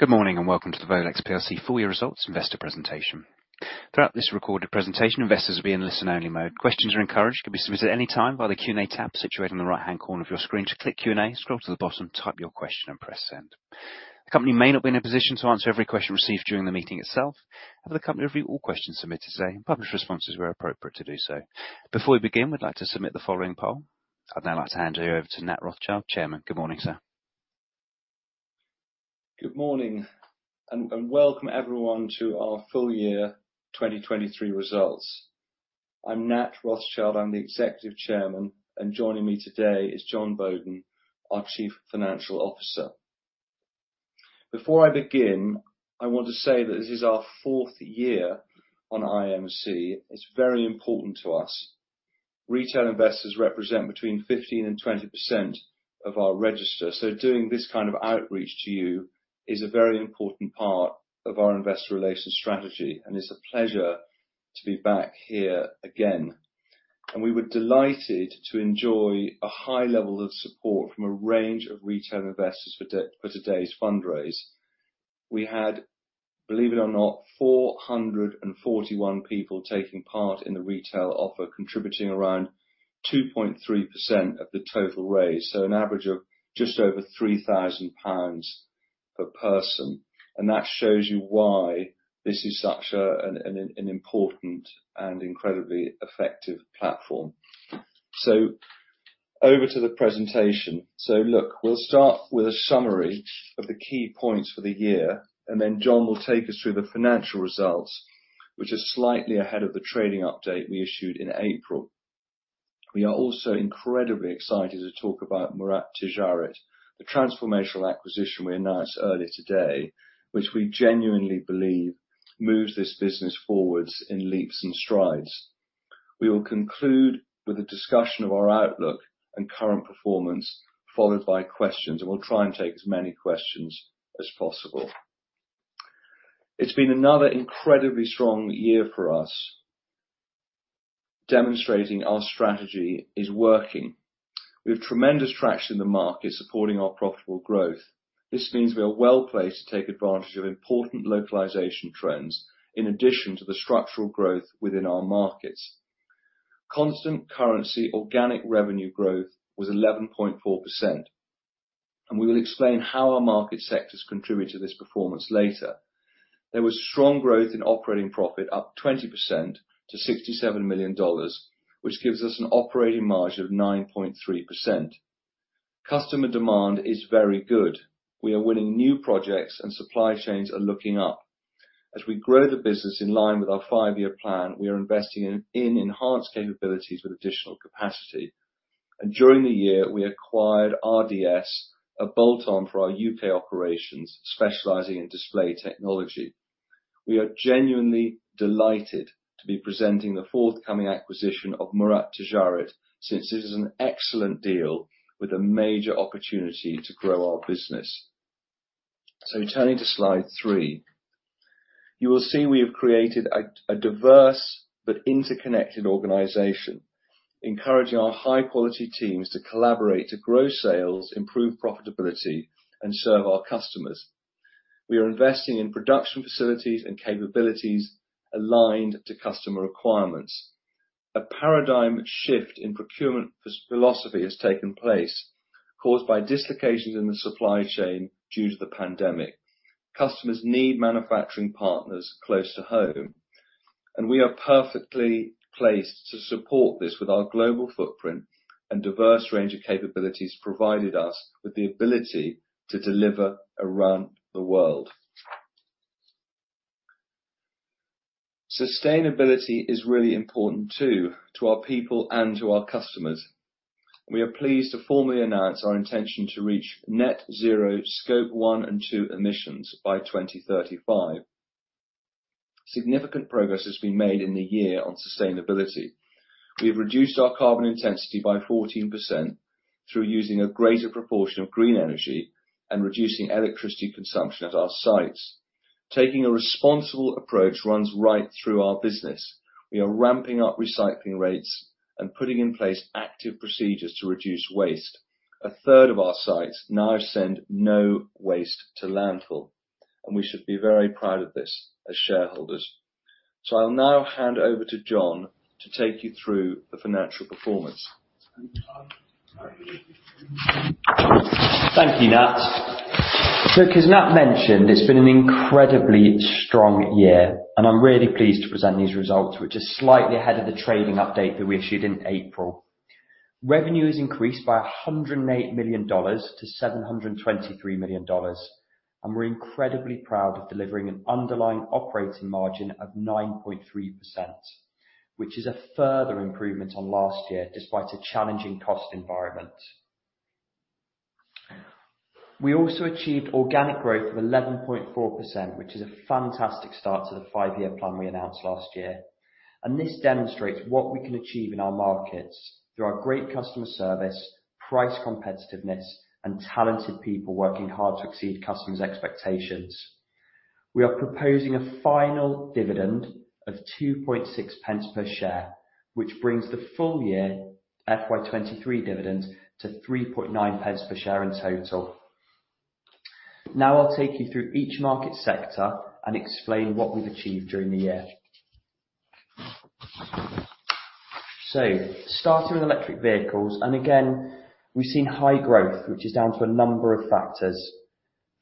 Good morning, and welcome to the Volex plc full year results investor presentation. Throughout this recorded presentation, investors will be in listen-only mode. Questions are encouraged, can be submitted at any time by the Q&A tab situated in the right-hand corner of your screen. Just click Q&A, scroll to the bottom, type your question, and press Send. The company may not be in a position to answer every question received during the meeting itself, but the company will review all questions submitted today and publish responses where appropriate to do so. Before we begin, we'd like to submit the following poll. I'd now like to hand you over to Nat Rothschild, Executive Chairman. Good morning, sir. Good morning, and welcome everyone to our full year 2023 results. I'm Nat Rothschild, I'm the executive chairman, and joining me today is Jon Boaden, our Chief Financial Officer. Before I begin, I want to say that this is our fourth year on IMC. It's very important to us. Retail investors represent between 15% and 20% of our register, so doing this kind of outreach to you is a very important part of our investor relations strategy, and it's a pleasure to be back here again. We were delighted to enjoy a high level of support from a range of retail investors for today's fundraise. We had, believe it or not, 441 people taking part in the retail offer, contributing around 2.3% of the total raise, so an average of just over 3,000 pounds per person. That shows you why this is such an important and incredibly effective platform. Over to the presentation. Look, we'll start with a summary of the key points for the year, and then Jon will take us through the financial results, which are slightly ahead of the trading update we issued in April. We are also incredibly excited to talk about Murat Ticaret, the transformational acquisition we announced earlier today, which we genuinely believe moves this business forwards in leaps and strides. We will conclude with a discussion of our outlook and current performance, followed by questions, and we'll try and take as many questions as possible. It's been another incredibly strong year for us, demonstrating our strategy is working. We have tremendous traction in the market, supporting our profitable growth. This means we are well placed to take advantage of important localization trends in addition to the structural growth within our markets. Constant currency, organic revenue growth was 11.4%. We will explain how our market sectors contribute to this performance later. There was strong growth in operating profit, up 20% to $67 million, which gives us an operating margin of 9.3%. Customer demand is very good. We are winning new projects. Supply chains are looking up. As we grow the business in line with our five-year plan, we are investing in enhanced capabilities with additional capacity. During the year, we acquired RDS, a bolt-on for our U.K. operations, specializing in display technology. We are genuinely delighted to be presenting the forthcoming acquisition of Murat Ticaret, since this is an excellent deal with a major opportunity to grow our business. Turning to slide three. You will see we have created a diverse but interconnected organization, encouraging our high-quality teams to collaborate, to grow sales, improve profitability, and serve our customers. We are investing in production facilities and capabilities aligned to customer requirements. A paradigm shift in procurement philosophy has taken place, caused by dislocations in the supply chain due to the pandemic. Customers need manufacturing partners close to home, and we are perfectly placed to support this with our global footprint and diverse range of capabilities provided us with the ability to deliver around the world. Sustainability is really important, too, to our people and to our customers. We are pleased to formally announce our intention to reach net zero Scope 1 and 2 emissions by 2035. Significant progress has been made in the year on sustainability. We have reduced our carbon intensity by 14% through using a greater proportion of green energy and reducing electricity consumption at our sites. Taking a responsible approach runs right through our business. We are ramping up recycling rates and putting in place active procedures to reduce waste. A third of our sites now send no waste to landfill, and we should be very proud of this as shareholders. I'll now hand over to Jon to take you through the financial performance. Thank you, Nat. As Nat mentioned, it's been an incredibly strong year, and I'm really pleased to present these results, which are slightly ahead of the trading update that we issued in April. Revenue has increased by $108 million-$723 million, and we're incredibly proud of delivering an underlying operating margin of 9.3%, which is a further improvement on last year, despite a challenging cost environment. We also achieved organic growth of 11.4%, which is a fantastic start to the five-year plan we announced last year. This demonstrates what we can achieve in our markets through our great customer service, price competitiveness, and talented people working hard to exceed customers' expectations. We are proposing a final dividend of 2.6 per share, which brings the full year FY 2023 dividend to 3.9 per share in total. I'll take you through each market sector and explain what we've achieved during the year. Starting with electric vehicles, and again, we've seen high growth, which is down to a number of factors.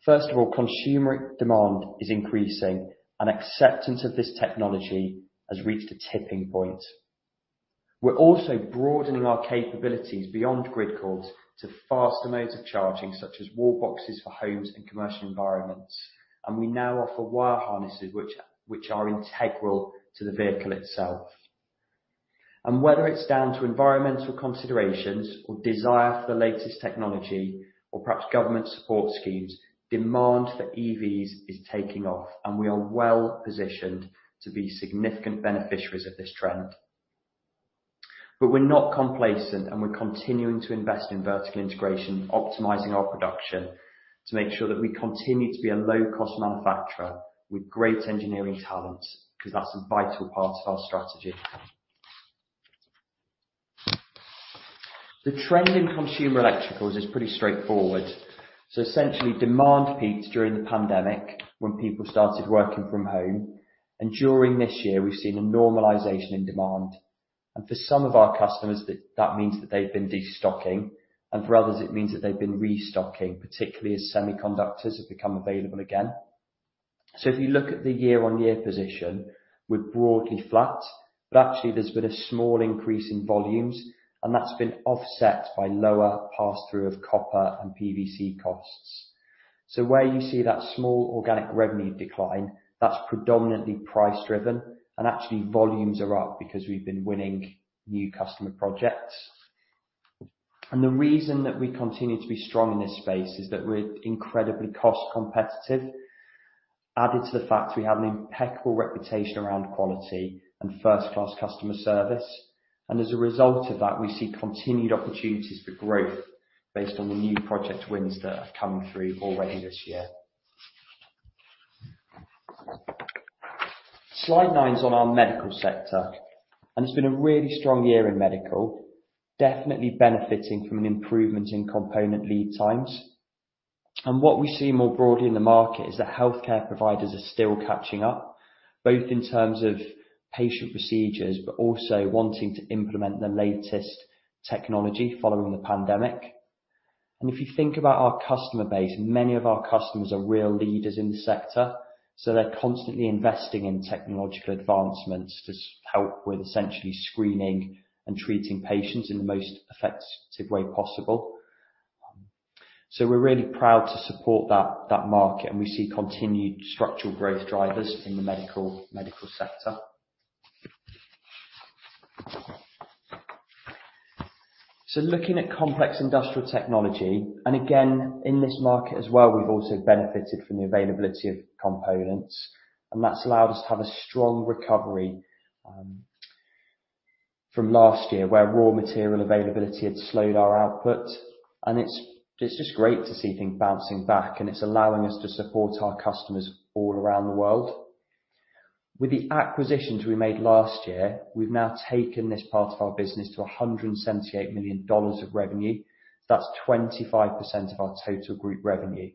First of all, consumer demand is increasing, and acceptance of this technology has reached a tipping point. We're also broadening our capabilities beyond grid cord to faster modes of charging, such as wall boxes for homes and commercial environments, and we now offer wire harnesses, which are integral to the vehicle itself. Whether it's down to environmental considerations or desire for the latest technology, or perhaps government support schemes, demand for EVs is taking off, and we are well positioned to be significant beneficiaries of this trend. We're not complacent, and we're continuing to invest in vertical integration, optimizing our production to make sure that we continue to be a low-cost manufacturer with great engineering talent, 'cause that's a vital part of our strategy. The trend in consumer electricals is pretty straightforward. Essentially, demand peaked during the pandemic when people started working from home, and during this year, we've seen a normalization in demand. For some of our customers, that means that they've been destocking, and for others it means that they've been restocking, particularly as semiconductors have become available again. If you look at the year-on-year position, we're broadly flat, but actually there's been a small increase in volumes, and that's been offset by lower pass-through of copper and PVC costs. Where you see that small organic revenue decline, that's predominantly price driven, and actually, volumes are up because we've been winning new customer projects. The reason that we continue to be strong in this space is that we're incredibly cost competitive, added to the fact we have an impeccable reputation around quality and first-class customer service, and as a result of that, we see continued opportunities for growth based on the new project wins that have come through already this year. Slide nine is on our medical sector, and it's been a really strong year in medical, definitely benefiting from an improvement in component lead times. What we see more broadly in the market is that healthcare providers are still catching up, both in terms of patient procedures, but also wanting to implement the latest technology following the pandemic. If you think about our customer base, many of our customers are real leaders in the sector, so they're constantly investing in technological advancements to help with essentially screening and treating patients in the most effective way possible. We're really proud to support that market, and we see continued structural growth drivers in the medical sector. Looking at complex industrial technology, again, in this market as well, we've also benefited from the availability of components, that's allowed us to have a strong recovery from last year, where raw material availability had slowed our output, it's just great to see things bouncing back, it's allowing us to support our customers all around the world. With the acquisitions we made last year, we've now taken this part of our business to $178 million of revenue. That's 25% of our total group revenue.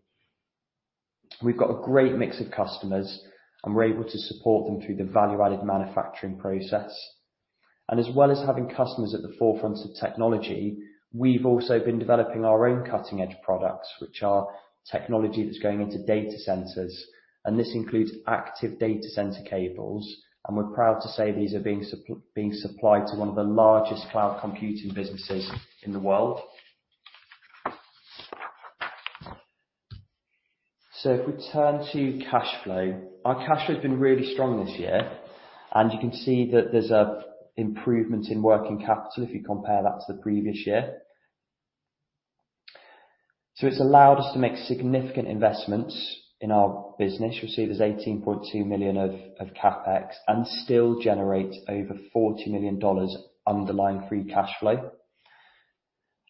We've got a great mix of customers, we're able to support them through the value-added manufacturing process. As well as having customers at the forefront of technology, we've also been developing our own cutting-edge products, which are technology that's going into data centers, and this includes active data center cables, and we're proud to say these are being supplied to one of the largest cloud computing businesses in the world. If we turn to cash flow, our cash flow has been really strong this year, and you can see that there's an improvement in working capital if you compare that to the previous year. It's allowed us to make significant investments in our business. You'll see there's $18.2 million of CapEx and still generate over $40 million underlying free cash flow.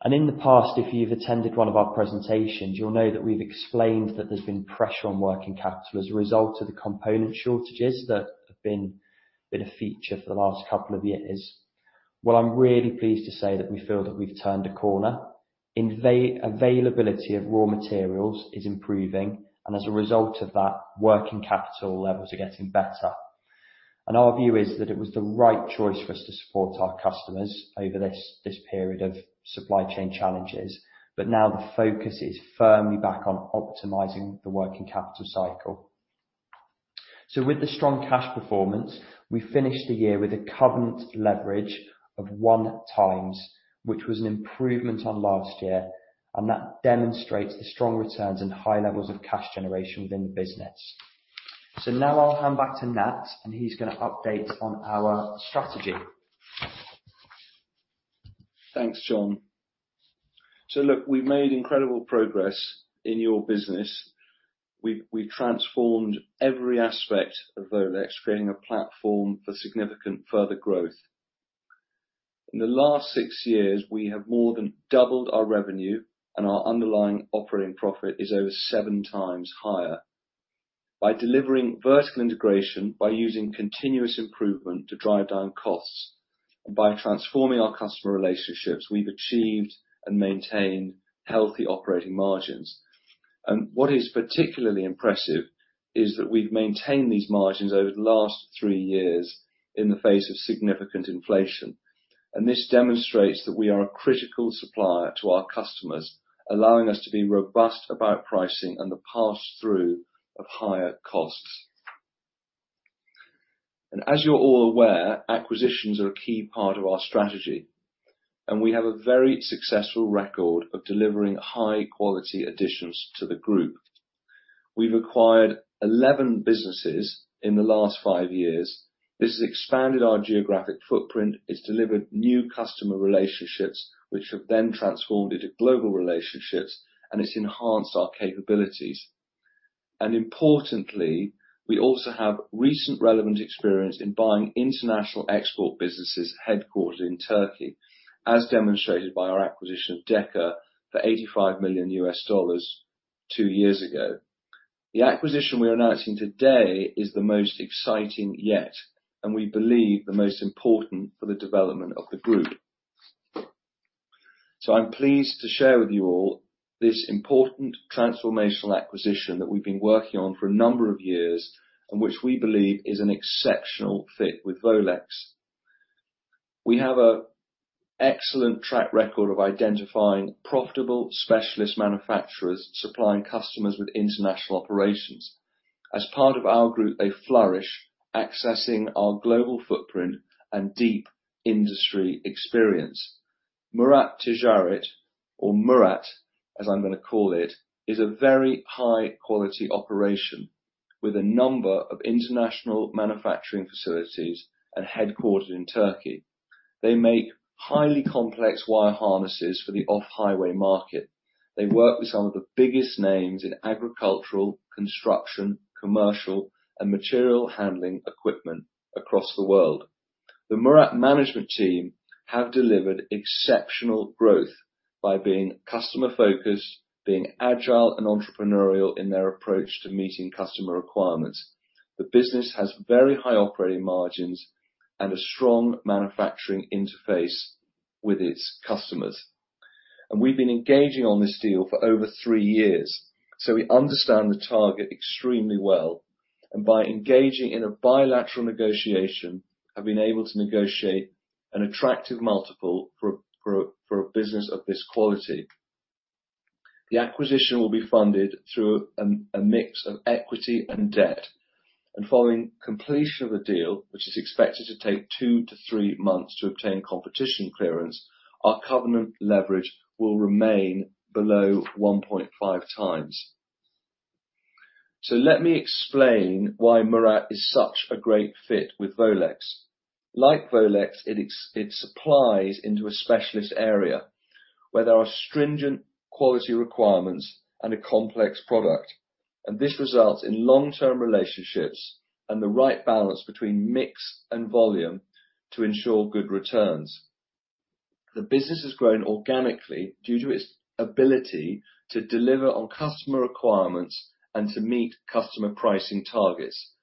In the past, if you've attended one of our presentations, you'll know that we've explained that there's been pressure on working capital as a result of the component shortages that have been a feature for the last couple of years. I'm really pleased to say that we feel that we've turned a corner. Availability of raw materials is improving, and as a result of that, working capital levels are getting better. Our view is that it was the right choice for us to support our customers over this period of supply chain challenges. Now the focus is firmly back on optimizing the working capital cycle. With the strong cash performance, we finished the year with a covenant leverage of 1x, which was an improvement on last year, and that demonstrates the strong returns and high levels of cash generation within the business. Now I'll hand back to Nat, and he's gonna update on our strategy. Thanks, Jon. Look, we've made incredible progress in your business. We've transformed every aspect of Volex, creating a platform for significant further growth. In the last six years, we have more than doubled our revenue, and our underlying operating profit is over 7x times higher. By delivering vertical integration, by using continuous improvement to drive down costs, and by transforming our customer relationships, we've achieved and maintained healthy operating margins. What is particularly impressive is that we've maintained these margins over the last three years in the face of significant inflation. This demonstrates that we are a critical supplier to our customers, allowing us to be robust about pricing and the pass-through of higher costs. As you're all aware, acquisitions are a key part of our strategy, and we have a very successful record of delivering high quality additions to the group. We've acquired 11 businesses in the last five years. This has expanded our geographic footprint, it's delivered new customer relationships, which have then transformed into global relationships, and it's enhanced our capabilities. Importantly, we also have recent relevant experience in buying international export businesses headquartered in Turkey, as demonstrated by our acquisition of DE-KA for $85 million two years ago. The acquisition we are announcing today is the most exciting yet, and we believe, the most important for the development of the group. I'm pleased to share with you all this important transformational acquisition that we've been working on for a number of years, and which we believe is an exceptional fit with Volex. We have a excellent track record of identifying profitable specialist manufacturers, supplying customers with international operations. As part of our group, they flourish, accessing our global footprint and deep industry experience. Murat Ticaret, or Murat, as I'm gonna call it, is a very high quality operation with a number of international manufacturing facilities and headquartered in Turkey. They make highly complex wire harnesses for the off-highway market. They work with some of the biggest names in agricultural, construction, commercial, and material handling equipment across the world. The Murat management team have delivered exceptional growth by being customer-focused, being agile and entrepreneurial in their approach to meeting customer requirements. The business has very high operating margins and a strong manufacturing interface with its customers. We've been engaging on this deal for over three years, so we understand the target extremely well, and by engaging in a bilateral negotiation, have been able to negotiate an attractive multiple for a business of this quality. The acquisition will be funded through a mix of equity and debt, following completion of the deal, which is expected to take two to three months to obtain competition clearance, our covenant leverage will remain below 1.5x. Let me explain why Murat is such a great fit with Volex. Like Volex, it supplies into a specialist area, where there are stringent quality requirements and a complex product, and this results in long-term relationships and the right balance between mix and volume to ensure good returns. The business has grown organically due to its ability to deliver on customer requirements and to meet customer pricing targets.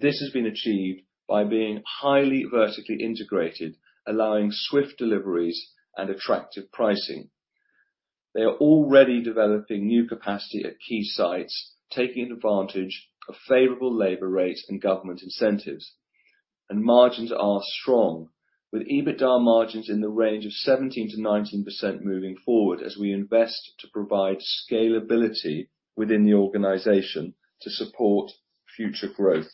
This has been achieved by being highly vertically integrated, allowing swift deliveries and attractive pricing. They are already developing new capacity at key sites, taking advantage of favorable labor rates and government incentives. Margins are strong, with EBITDA margins in the range of 17%-19% moving forward as we invest to provide scalability within the organization to support future growth.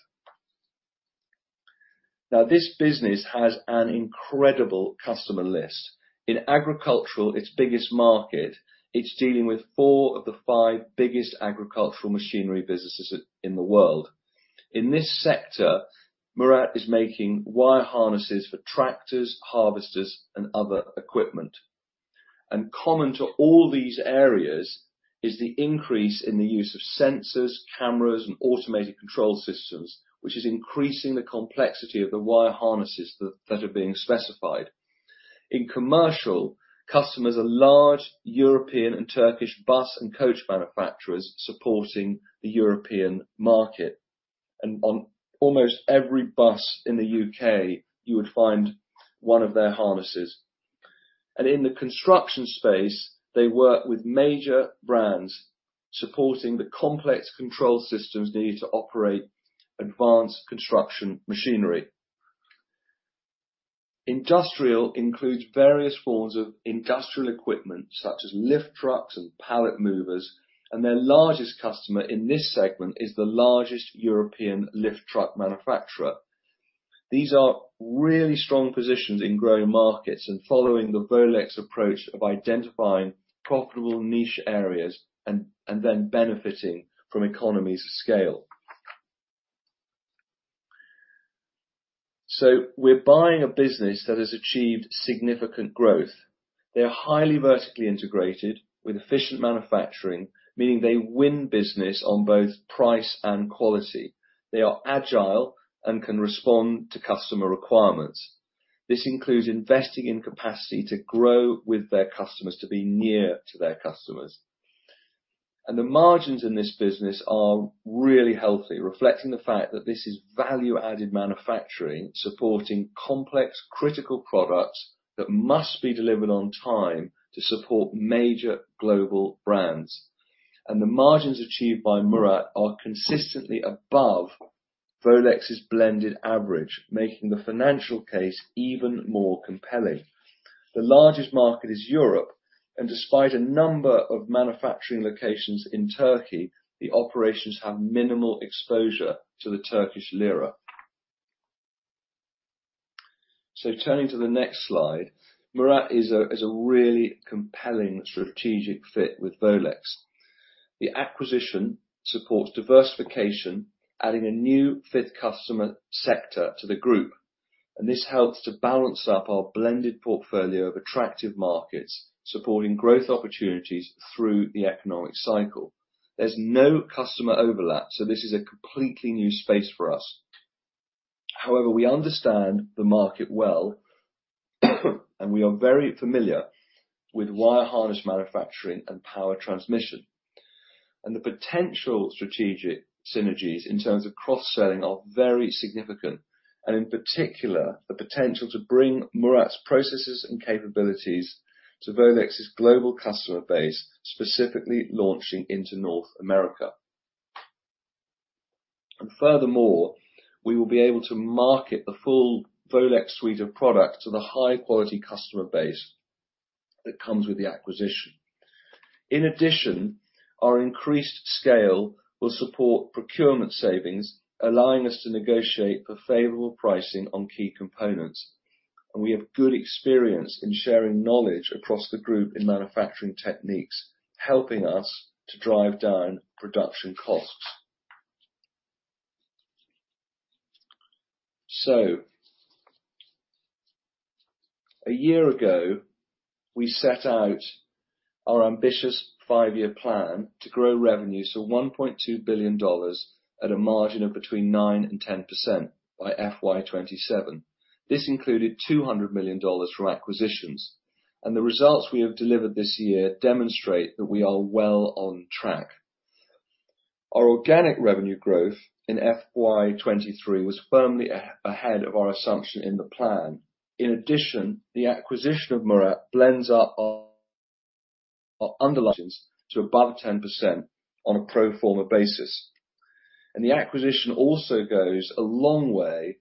This business has an incredible customer list. In agricultural, its biggest market, it's dealing with four of the five biggest agricultural machinery businesses in the world. In this sector, Murat is making wire harnesses for tractors, harvesters, and other equipment. Common to all these areas is the increase in the use of sensors, cameras, and automated control systems, which is increasing the complexity of the wire harnesses that are being specified. In commercial, customers are large European and Turkish bus and coach manufacturers supporting the European market, and on almost every bus in the U.K., you would find one of their harnesses. In the construction space, they work with major brands, supporting the complex control systems needed to operate advanced construction machinery. Industrial includes various forms of industrial equipment, such as lift trucks and pallet movers, and their largest customer in this segment is the largest European lift truck manufacturer. These are really strong positions in growing markets and following the Volex approach of identifying profitable niche areas and then benefiting from economies of scale. We're buying a business that has achieved significant growth. They are highly vertically integrated with efficient manufacturing, meaning they win business on both price and quality. They are agile and can respond to customer requirements. This includes investing in capacity to grow with their customers, to be near to their customers. The margins in this business are really healthy, reflecting the fact that this is value-added manufacturing, supporting complex, critical products that must be delivered on time to support major global brands. The margins achieved by Murat are consistently above Volex's blended average, making the financial case even more compelling. The largest market is Europe, and despite a number of manufacturing locations in Turkey, the operations have minimal exposure to the Turkish lira. Turning to the next slide, Murat is a really compelling strategic fit with Volex. The acquisition supports diversification, adding a new fifth customer sector to the group, and this helps to balance up our blended portfolio of attractive markets, supporting growth opportunities through the economic cycle. There's no customer overlap, so this is a completely new space for us. However, we understand the market well, and we are very familiar with wire harness manufacturing and power transmission. The potential strategic synergies in terms of cross-selling are very significant, and in particular, the potential to bring Murat's processes and capabilities to Volex's global customer base, specifically launching into North America. Furthermore, we will be able to market the full Volex suite of products to the high-quality customer base that comes with the acquisition. In addition, our increased scale will support procurement savings, allowing us to negotiate for favorable pricing on key components. We have good experience in sharing knowledge across the group in manufacturing techniques, helping us to drive down production costs. A year ago, we set out our ambitious five-year plan to grow revenues to $1.2 billion at a margin of between 9% and 10% by FY 2027. This included $200 million from acquisitions, and the results we have delivered this year demonstrate that we are well on track. Our organic revenue growth in FY 2023 was firmly ahead of our assumption in the plan. In addition, the acquisition of Murat blends up our underlying to above 10% on a pro forma basis. The acquisition also goes a long way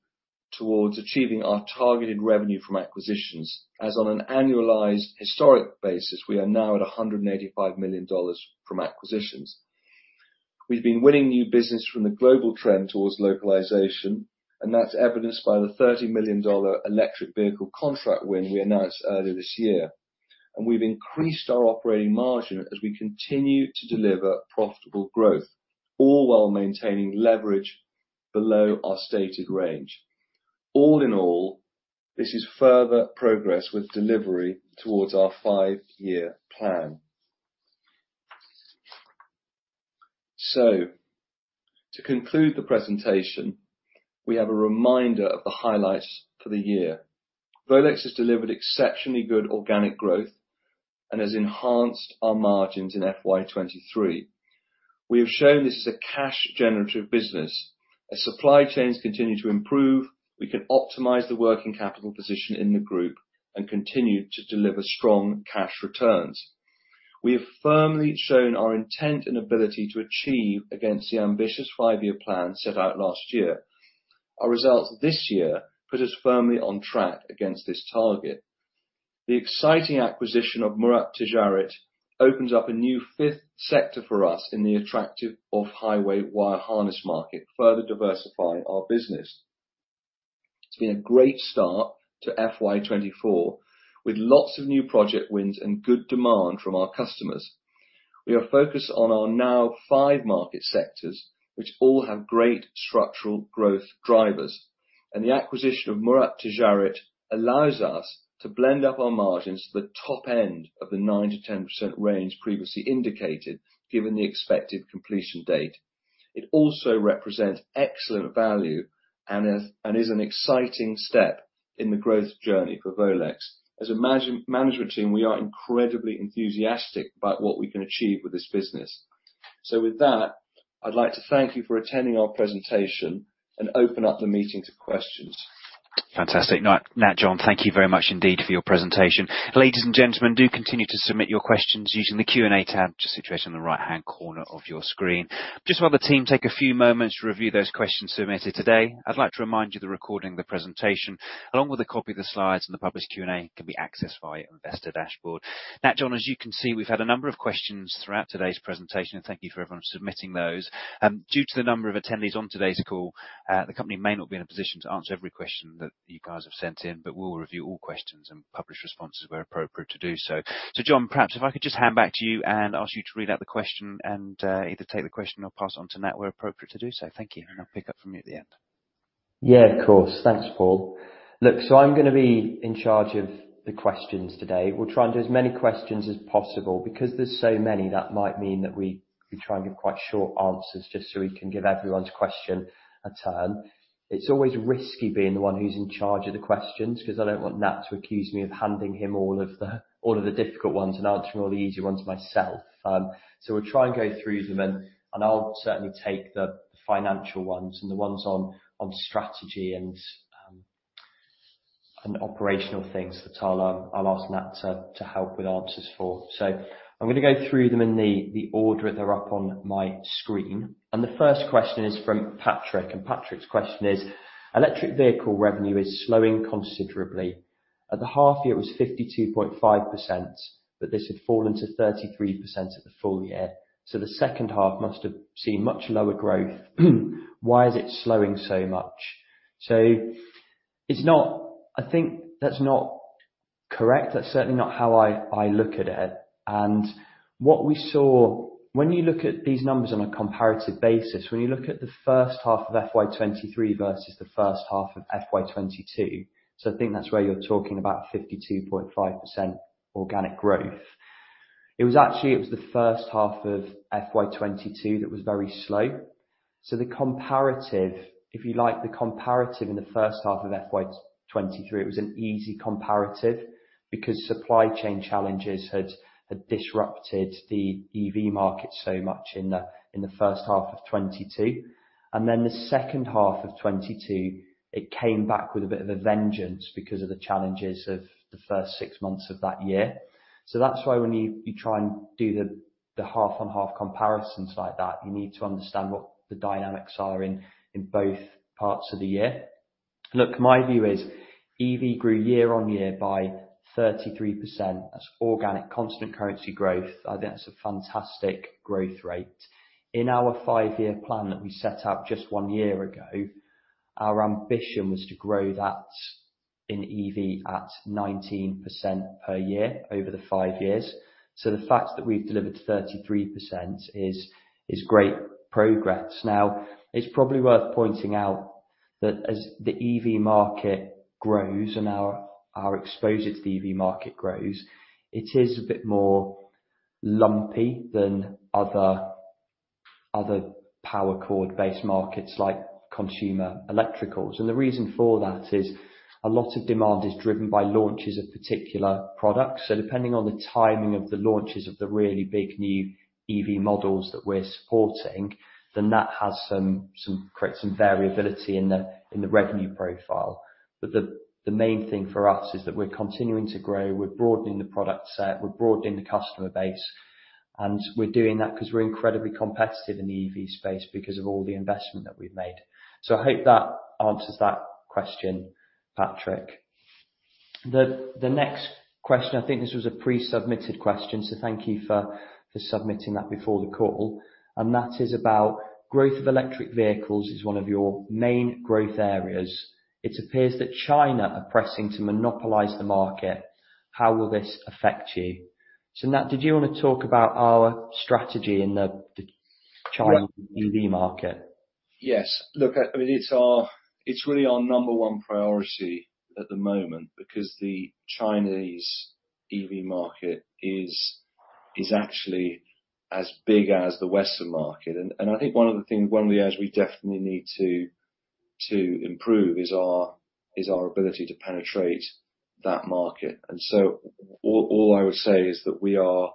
towards achieving our targeted revenue from acquisitions, as on an annualized historic basis, we are now at $185 million from acquisitions. We've been winning new business from the global trend towards localization, and that's evidenced by the $30 million electric vehicle contract win we announced earlier this year. We've increased our operating margin as we continue to deliver profitable growth, all while maintaining leverage below our stated range. All in all, this is further progress with delivery towards our five-year plan. To conclude the presentation, we have a reminder of the highlights for the year. Volex has delivered exceptionally good organic growth and has enhanced our margins in FY 2023. We have shown this is a cash generative business. As supply chains continue to improve, we can optimize the working capital position in the group and continue to deliver strong cash returns. We have firmly shown our intent and ability to achieve against the ambitious five-year plan set out last year. Our results this year put us firmly on track against this target. The exciting acquisition of Murat Ticaret opens up a new fifth sector for us in the attractive off-highway wire harness market, further diversifying our business. It's been a great start to FY 2024, with lots of new project wins and good demand from our customers. We are focused on our now five market sectors, which all have great structural growth drivers. The acquisition of Murat Ticaret allows us to blend up our margins to the top end of the 9%-10% range previously indicated, given the expected completion date. It also represents excellent value and is an exciting step in the growth journey for Volex. As a management team, we are incredibly enthusiastic about what we can achieve with this business. With that, I'd like to thank you for attending our presentation and open up the meeting to questions. Fantastic. Nat, Jon, thank you very much indeed for your presentation. Ladies and gentlemen, do continue to submit your questions using the Q&A tab, just situated on the right-hand corner of your screen. Just while the team take a few moments to review those questions submitted today, I'd like to remind you the recording of the presentation, along with a copy of the slides and the published Q&A, can be accessed via Investor Dashboard. Jon, as you can see, we've had a number of questions throughout today's presentation. Thank you for everyone submitting those. Due to the number of attendees on today's call, the company may not be in a position to answer every question that you guys have sent in, but we'll review all questions and publish responses where appropriate to do so. Jon, perhaps if I could just hand back to you and ask you to read out the question and, either take the question or pass on to Nat, where appropriate to do so. Thank you, and I'll pick up from you at the end. Yeah, of course. Thanks, Paul. Look, I'm gonna be in charge of the questions today. We'll try and do as many questions as possible. There's so many, that might mean that we try and give quite short answers just so we can give everyone's question a turn. It's always risky being the one who's in charge of the questions, 'cause I don't want Nat to accuse me of handing him all of the difficult ones and answering all the easy ones myself. We'll try and go through them, and I'll certainly take the financial ones and the ones on strategy and operational things that I'll ask Nat to help with answers for. I'm gonna go through them in the order that they're up on my screen. The first question is from Patrick, and Patrick's question is: "Electric vehicle revenue is slowing considerably. At the half year, it was 52.5%, but this had fallen to 33% at the full year, so the second half must have seen much lower growth. Why is it slowing so much?" I think that's not correct. That's certainly not how I look at it. What we saw, when you look at these numbers on a comparative basis, when you look at the first half of FY 2023 versus the first half of FY 2022, so I think that's where you're talking about 52.5% organic growth. It was actually the first half of FY 2022 that was very slow. The comparative, if you like, the comparative in the first half of FY 2023, it was an easy comparative because supply chain challenges had disrupted the EV market so much in the first half of 2022. The second half of 2022, it came back with a bit of a vengeance because of the challenges of the first six months of that year. That's why when you try and do the half-on-half comparisons like that, you need to understand what the dynamics are in both parts of the year. My view is EV grew year-on-year by 33%. That's organic constant currency growth. I think that's a fantastic growth rate. In our five-year plan that we set up just one year ago, our ambition was to grow that in EV at 19% per year over the five years. The fact that we've delivered 33% is great progress. It's probably worth pointing out that as the EV market grows and our exposure to the EV market grows, it is a bit more lumpy than other power cord-based markets like consumer electricals. The reason for that is a lot of demand is driven by launches of particular products. Depending on the timing of the launches of the really big new EV models that we're supporting, that creates some variability in the revenue profile. The main thing for us is that we're continuing to grow. We're broadening the product set, we're broadening the customer base, and we're doing that 'cause we're incredibly competitive in the EV space because of all the investment that we've made. I hope that answers that question, Patrick. The next question, I think this was a pre-submitted question, thank you for submitting that before the call, and that is about growth of electric vehicles is one of your main growth areas. It appears that China are pressing to monopolize the market. How will this affect you? Nat, did you want to talk about our strategy in the China EV market? Yes. Look, I mean, it's really our number one priority at the moment because the Chinese EV market is actually as big as the Western market. I think one of the things, one of the areas we definitely need to improve is our ability to penetrate that market. All I would say is that we are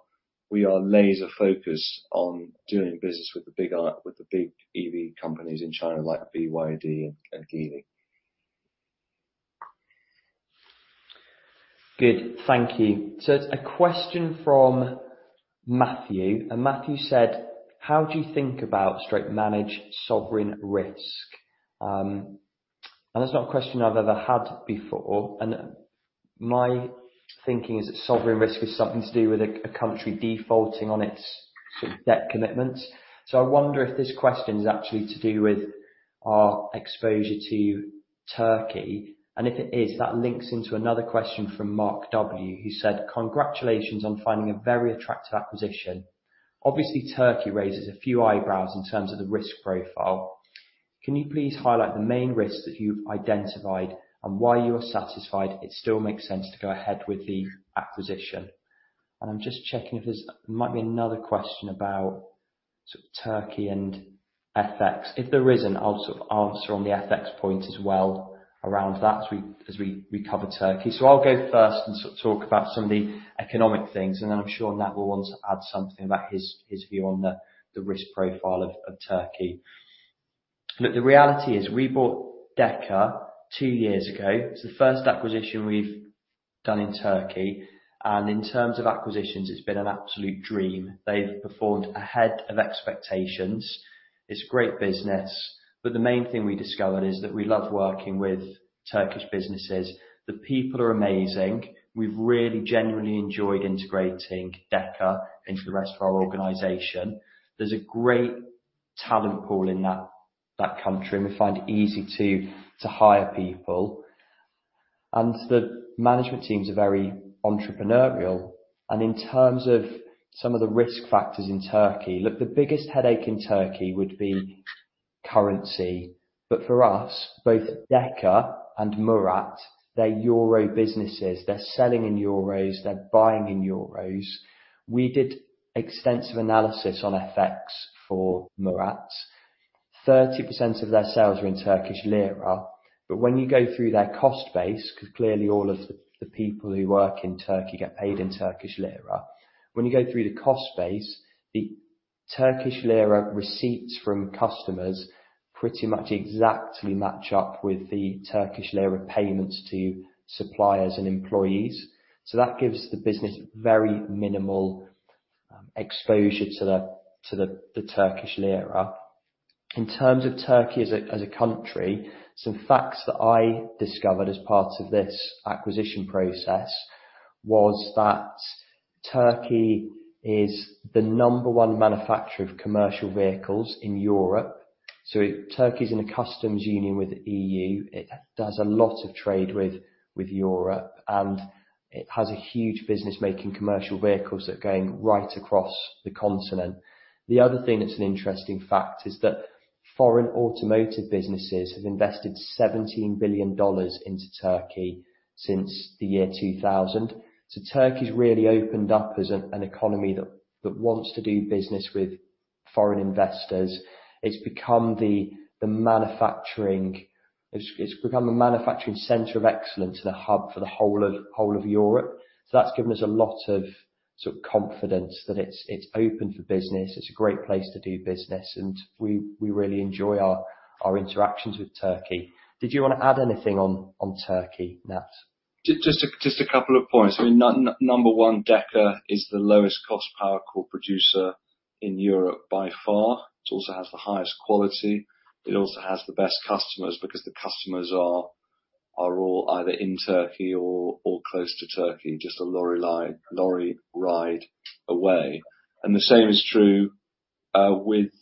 laser focused on doing business with the big EV companies in China, like BYD and Geely. Good. Thank you. A question from Matthew said: How do you think about, manage sovereign risk? That's not a question I've ever had before. My thinking is that sovereign risk is something to do with a country defaulting on its sort of debt commitments. I wonder if this question is actually to do with our exposure to Turkey, and if it is, that links into another question from Mark W., who said, "Congratulations on finding a very attractive acquisition. Obviously, Turkey raises a few eyebrows in terms of the risk profile. Can you please highlight the main risks that you've identified and why you are satisfied it still makes sense to go ahead with the acquisition?" I'm just checking if there might be another question about sort of Turkey and FX. If there is, then I'll sort of answer on the FX point as well around that as we cover Turkey. I'll go first and talk about some of the economic things, and then I'm sure Nat will want to add something about his view on the risk profile of Turkey. Look, the reality is, we bought DE-KA two years ago. It's the first acquisition we've done in Turkey, and in terms of acquisitions, it's been an absolute dream. They've performed ahead of expectations. It's great business, but the main thing we discovered is that we love working with Turkish businesses. The people are amazing. We've really genuinely enjoyed integrating DE-KA into the rest of our organization. There's a great talent pool in that country, and we find it easy to hire people. The management teams are very entrepreneurial. In terms of some of the risk factors in Turkey, look, the biggest headache in Turkey would be currency. For us, both DE-KA and Murat, they're EUR businesses. They're selling in EUR, they're buying in EUR. We did extensive analysis on FX for Murat. 30% of their sales are in TRY, but when you go through their cost base, 'cause clearly all of the people who work in Turkey get paid in TRY. When you go through the cost base, the TRY receipts from customers pretty much exactly match up with the TRY payments to suppliers and employees. That gives the business very minimal exposure to the TRY. In terms of Turkey as a country, some facts that I discovered as part of this acquisition process was that Turkey is the number one manufacturer of commercial vehicles in Europe. Turkey's in a customs union with the EU. It does a lot of trade with Europe, and it has a huge business making commercial vehicles that are going right across the continent. The other thing that's an interesting fact is that foreign automotive businesses have invested $17 billion into Turkey since the year 2000. Turkey's really opened up as an economy that wants to do business with foreign investors. It's become a manufacturing center of excellence and a hub for the whole of Europe. That's given us a lot of sort of confidence that it's open for business, it's a great place to do business, and we really enjoy our interactions with Turkey. Did you want to add anything on Turkey, Nat? Just a couple of points. I mean, number one, DE-KA is the lowest cost power core producer in Europe by far. It also has the highest quality. It also has the best customers, because the customers are all either in Turkey or close to Turkey, just a lorry ride away. The same is true with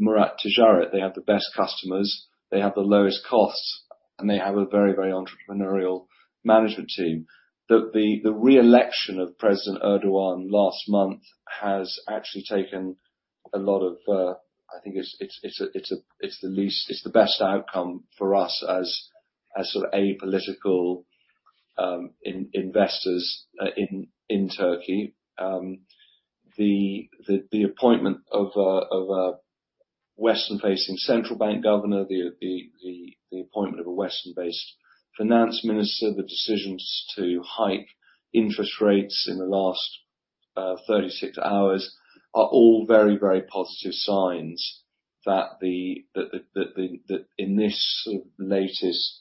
Murat Ticaret. They have the best customers, they have the lowest costs, and they have a very, very entrepreneurial management team. The re-election of President Erdoğan last month has actually taken a lot of... I think it's the best outcome for us as sort of apolitical investors in Turkey. The appointment of a Western-facing central bank governor, the appointment of a Western-based finance minister, the decisions to hike interest rates in the last 36 hours, are all very positive signs that in this sort of latest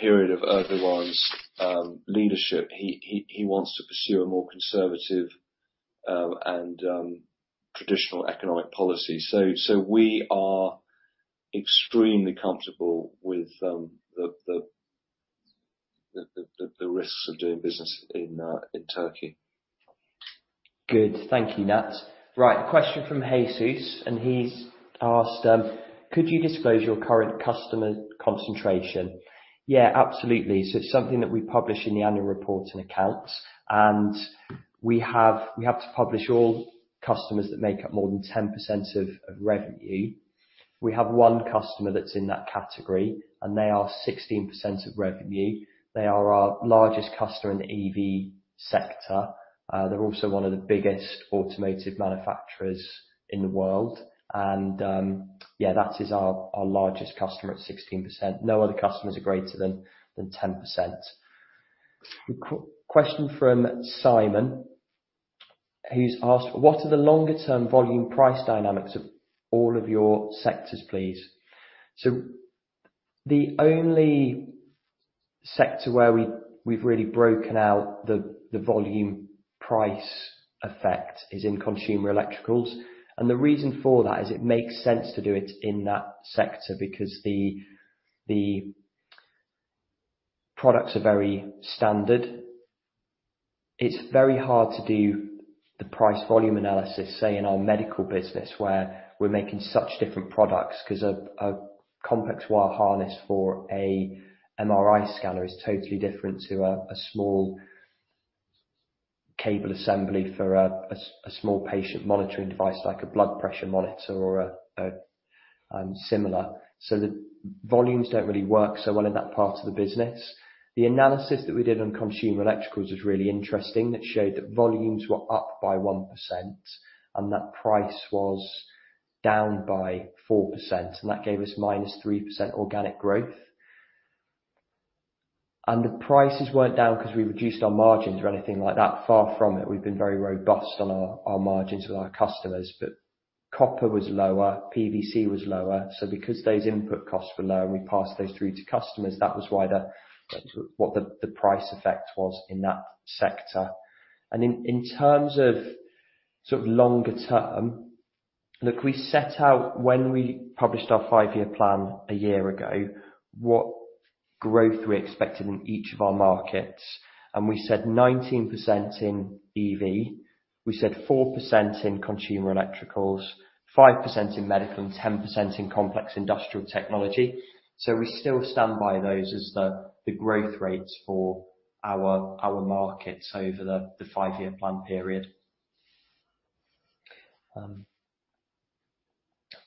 period of Erdoğan's leadership, he wants to pursue a more conservative and traditional economic policy. We are extremely comfortable with the risks of doing business in Turkey. Good. Thank you, Nat. A question from Jesus, and he's asked: "Could you disclose your current customer concentration?" Yeah, absolutely. It's something that we publish in the annual reports and accounts, and we have to publish all customers that make up more than 10% of revenue. We have one customer that's in that category, and they are 16% of revenue. They are our largest customer in the EV sector. They're also one of the biggest automotive manufacturers in the world. Yeah, that is our largest customer at 16%. No other customers are greater than 10%. Question from Simon, who's asked: "What are the longer term volume price dynamics of all of your sectors, please?" The only sector where we've really broken out the volume price effect is in consumer electricals. The reason for that is it makes sense to do it in that sector, because the products are very standard. It's very hard to do the price volume analysis, say, in our medical business, where we're making such different products, 'cause a complex wire harness for a MRI scanner is totally different to a small cable assembly for a small patient monitoring device, like a blood pressure monitor or a similar. The volumes don't really work so well in that part of the business. The analysis that we did on consumer electricals was really interesting. It showed that volumes were up by 1%, and that price was down by 4%, and that gave us -3% organic growth. The prices weren't down because we reduced our margins or anything like that. Far from it. We've been very robust on our margins with our customers. Copper was lower, PVC was lower, so because those input costs were lower and we passed those through to customers, that was why the price effect was in that sector. In terms of longer term, look, we set out when we published our five year plan a year ago, what growth we expected in each of our markets, and we said 19% in EV, we said 4% in consumer electricals, 5% in medical, and 10% in complex industrial technology. We still stand by those as the growth rates for our markets over the five year plan period.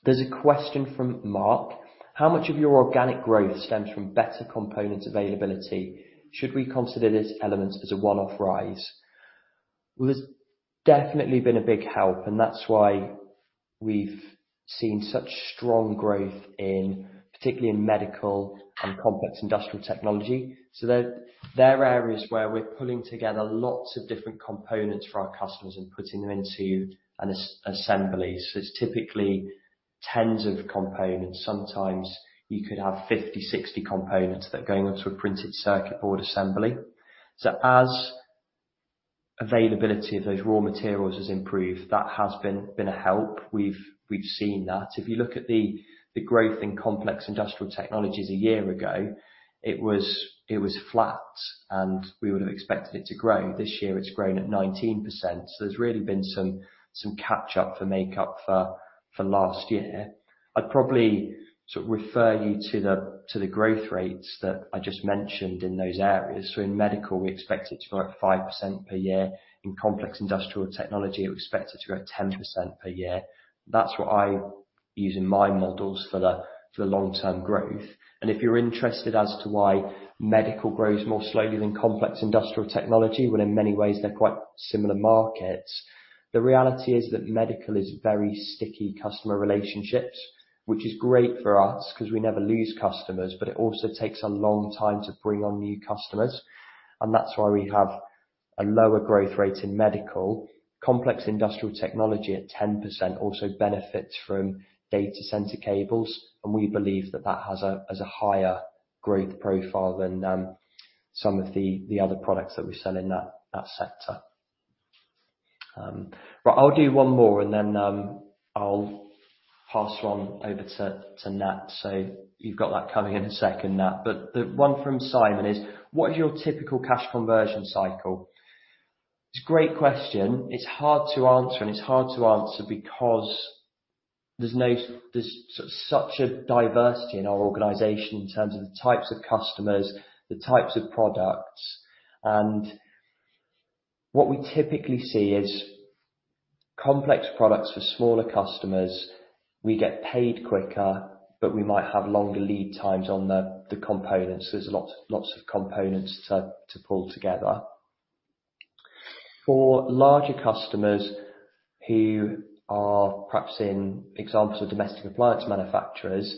There's a question from Mark: How much of your organic growth stems from better components availability? Should we consider this element as a one-off rise? It's definitely been a big help, that's why we've seen such strong growth in, particularly in medical and complex industrial technology. They're areas where we're pulling together lots of different components for our customers and putting them into assemblies. It's typically tens of components. Sometimes you could have 50, 60 components that are going onto a printed circuit board assembly. As availability of those raw materials has improved, that has been a help. We've seen that. If you look at the growth in complex industrial technologies a year ago, it was flat, we would have expected it to grow. This year, it's grown at 19%. There's really been some catch up for make up for last year. I'd probably sort of refer you to the growth rates that I just mentioned in those areas. In medical, we expect it to grow at 5% per year. In complex industrial technology, we expect it to grow at 10% per year. That's what I use in my models for the long-term growth. If you're interested as to why medical grows more slowly than complex industrial technology, when in many ways they're quite similar markets, the reality is that medical is very sticky customer relationships, which is great for us 'cause we never lose customers, but it also takes a long time to bring on new customers, and that's why we have a lower growth rate in medical. Complex industrial technology at 10% also benefits from data center cables, and we believe that has a higher growth profile than some of the other products that we sell in that sector. Right, I'll do one more, and then I'll pass it on over to Nat. You've got that coming in a second, Nat, but the one from Simon is: What is your typical cash conversion cycle? It's a great question. It's hard to answer, and it's hard to answer because there's such a diversity in our organization in terms of the types of customers, the types of products. What we typically see is complex products for smaller customers, we get paid quicker, but we might have longer lead times on the components. There's lots of components to pull together. For larger customers who are perhaps in, examples are domestic appliance manufacturers,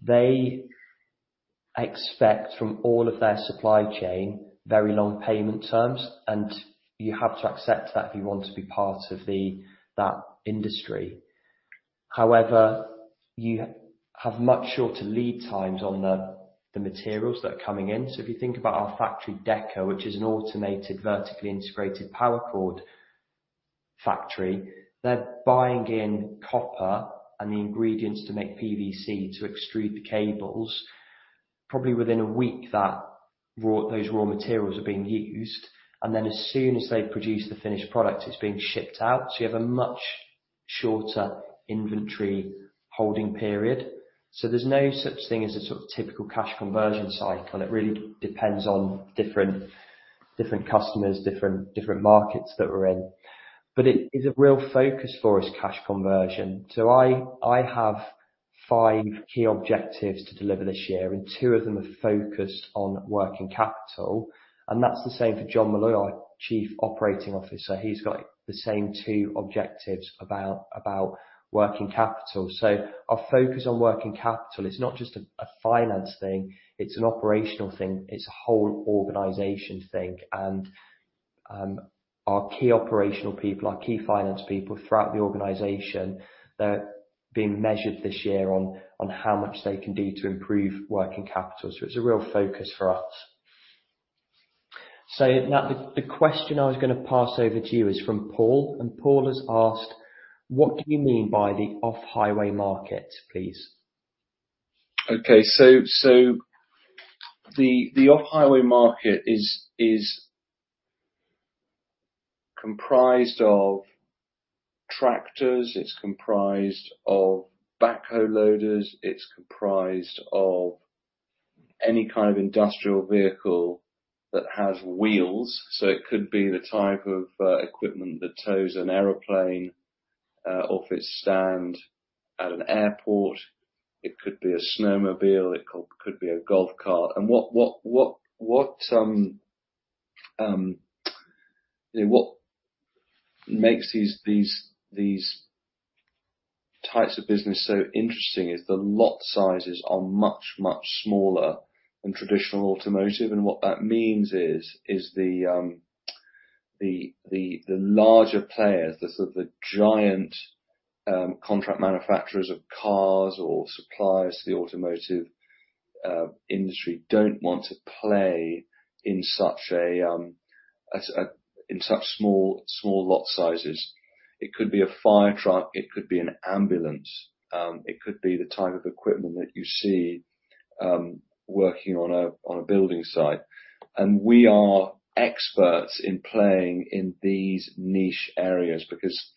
they expect from all of their supply chain, very long payment terms, and you have to accept that if you want to be part of the, that industry. However, you have much shorter lead times on the materials that are coming in. If you think about our factory, DE-KA, which is an automated, vertically integrated power cord factory, they're buying in copper and the ingredients to make PVC to extrude the cables. Probably within a week, those raw materials are being used, and then as soon as they produce the finished product, it's being shipped out. You have a much shorter inventory holding period. There's no such thing as a sort of typical cash conversion cycle. It really depends on different customers, different markets that we're in. It is a real focus for us, cash conversion. I have five key objectives to deliver this year, and two of them are focused on working capital, and that's the same for John Molloy, Chief Operating Officer. He's got the same two objectives about working capital. Our focus on working capital is not just a finance thing, it's an operational thing. It's a whole organization thing. Our key operational people, our key finance people throughout the organization, they're being measured this year on how much they can do to improve working capital. It's a real focus for us. Nat, the question I was gonna pass over to you is from Paul, and Paul has asked: What do you mean by the off-highway market, please? Okay. The off-highway market is comprised of tractors, it's comprised of backhoe loaders, it's comprised of any kind of industrial vehicle that has wheels. It could be the type of equipment that tows an airplane off its stand at an airport. It could be a snowmobile, it could be a golf cart. Yeah, what makes these types of business so interesting is the lot sizes are much smaller than traditional automotive. What that means is the larger players, the sort of the giant contract manufacturers of cars or suppliers to the automotive industry, don't want to play in such small lot sizes. It could be a fire truck, it could be an ambulance, it could be the type of equipment that you see working on a, on a building site. We are experts in playing in these niche areas because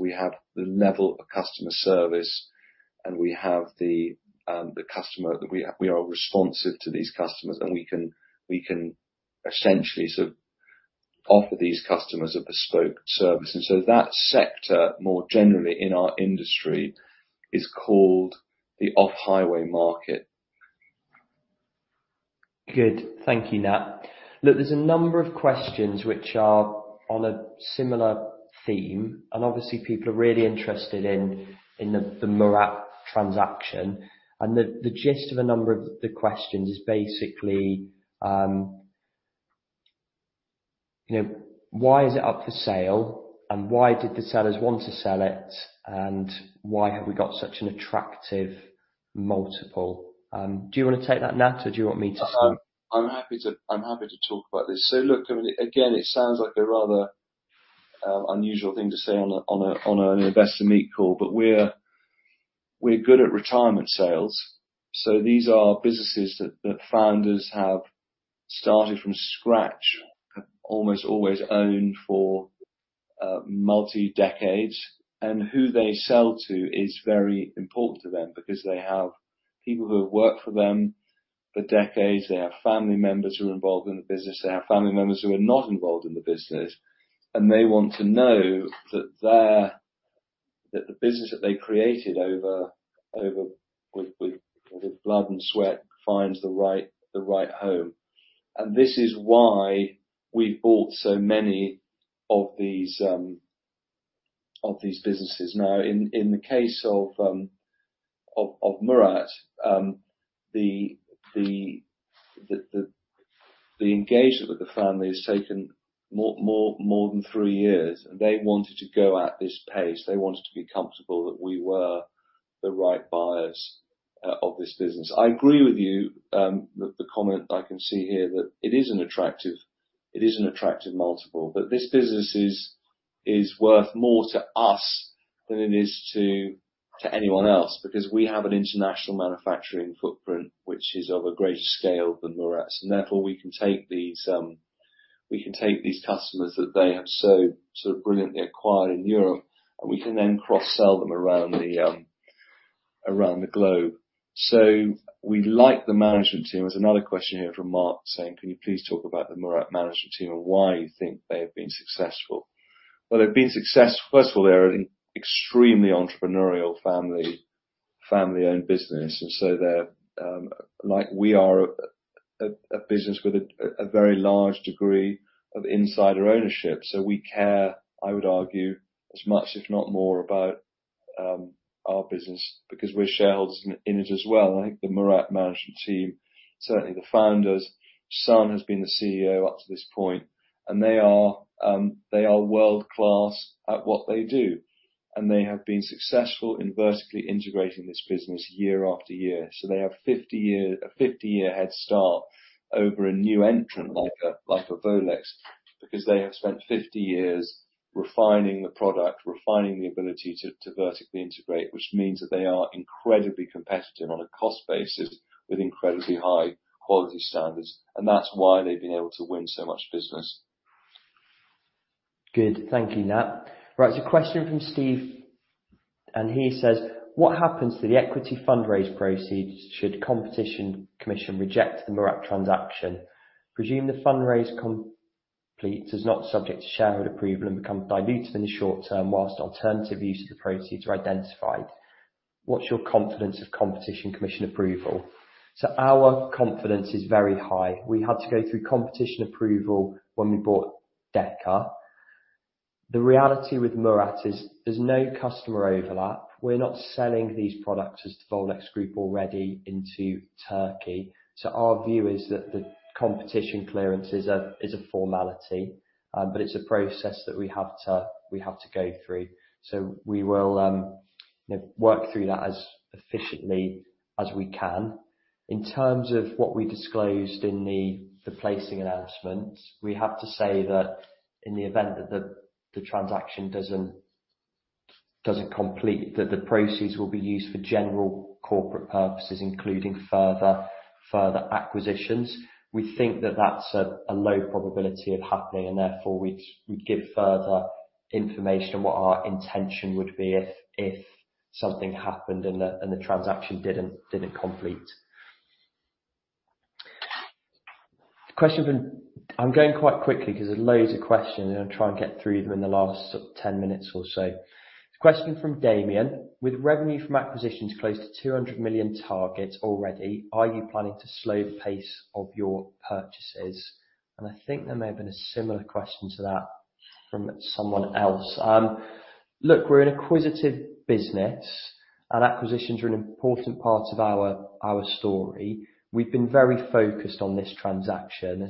we have the level of customer service, and we have the customer that we are responsive to these customers, and we can essentially offer these customers a bespoke service. That sector, more generally in our industry, is called the off-highway market. Good. Thank you, Nat. Look, there's a number of questions which are on a similar theme, and obviously, people are really interested in the Murat transaction. The gist of a number of the questions is basically, you know, why is it up for sale? Why did the sellers want to sell it? Why have we got such an attractive multiple? Do you wanna take that, Nat, or do you want me to start? I'm happy to talk about this. Look, I mean, again, it sounds like a rather unusual thing to say on an Investor Meet call, but we're good at retirement sales. These are businesses that founders have started from scratch, almost always owned for multi-decades, and who they sell to is very important to them because they have people who have worked for them for decades. They have family members who are involved in the business, they have family members who are not involved in the business, and they want to know that the business that they created with blood and sweat finds the right home. This is why we've bought so many of these businesses. In the case of Murat, the engagement with the family has taken more than three years. They wanted to be comfortable that we were the right buyers of this business. I agree with you that the comment I can see here, that it is an attractive multiple. This business is worth more to us than it is to anyone else, because we have an international manufacturing footprint, which is of a greater scale than Murat's. Therefore, we can take these customers that they have so brilliantly acquired in Europe. We can then cross-sell them around the globe. We like the management team. There's another question here from Mark saying, "Can you please talk about the Murat management team and why you think they have been successful?" Well, they've been successful. First of all, they're an extremely entrepreneurial family-owned business, and so they're like we are a business with a very large degree of insider ownership, so we care, I would argue, as much, if not more, about our business because we're shareholders in it as well. I think the Murat management team, certainly the founder's son, has been the CEO up to this point, and they are world-class at what they do, and they have been successful in vertically integrating this business year after year. They have a 50-year head start over a new entrant, like a Volex, because they have spent 50 years refining the product, refining the ability to vertically integrate, which means that they are incredibly competitive on a cost basis with incredibly high quality standards, and that's why they've been able to win so much business. Thank you, Nat. There's a question from Steve, and he says: What happens to the equity fundraise proceeds should Competition Commission reject the Murat transaction? Presume the fundraise complete is not subject to shareholder approval and become diluted in the short term, whilst alternative use of the proceeds are identified. What's your confidence of Competition Commission approval? Our confidence is very high. We had to go through competition approval when we bought DE-KA. The reality with Murat is there's no customer overlap. We're not selling these products as the Volex Group already into Turkey. Our view is that the competition clearance is a formality, but it's a process that we have to go through. We will, you know, work through that as efficiently as we can. In terms of what we disclosed in the placing announcement, we have to say that in the event that the transaction doesn't complete, that the proceeds will be used for general corporate purposes, including further acquisitions. We think that that's a low probability of happening, and therefore, we'd give further information on what our intention would be if something happened and the transaction didn't complete. I'm going quite quickly because there's loads of questions, and I'll try and get through them in the last sort of 10 minutes or so. Question from Damian: With revenue from acquisitions close to $200 million targets already, are you planning to slow the pace of your purchases? I think there may have been a similar question to that from someone else. Look, we're an acquisitive business. Acquisitions are an important part of our story. We've been very focused on this transaction.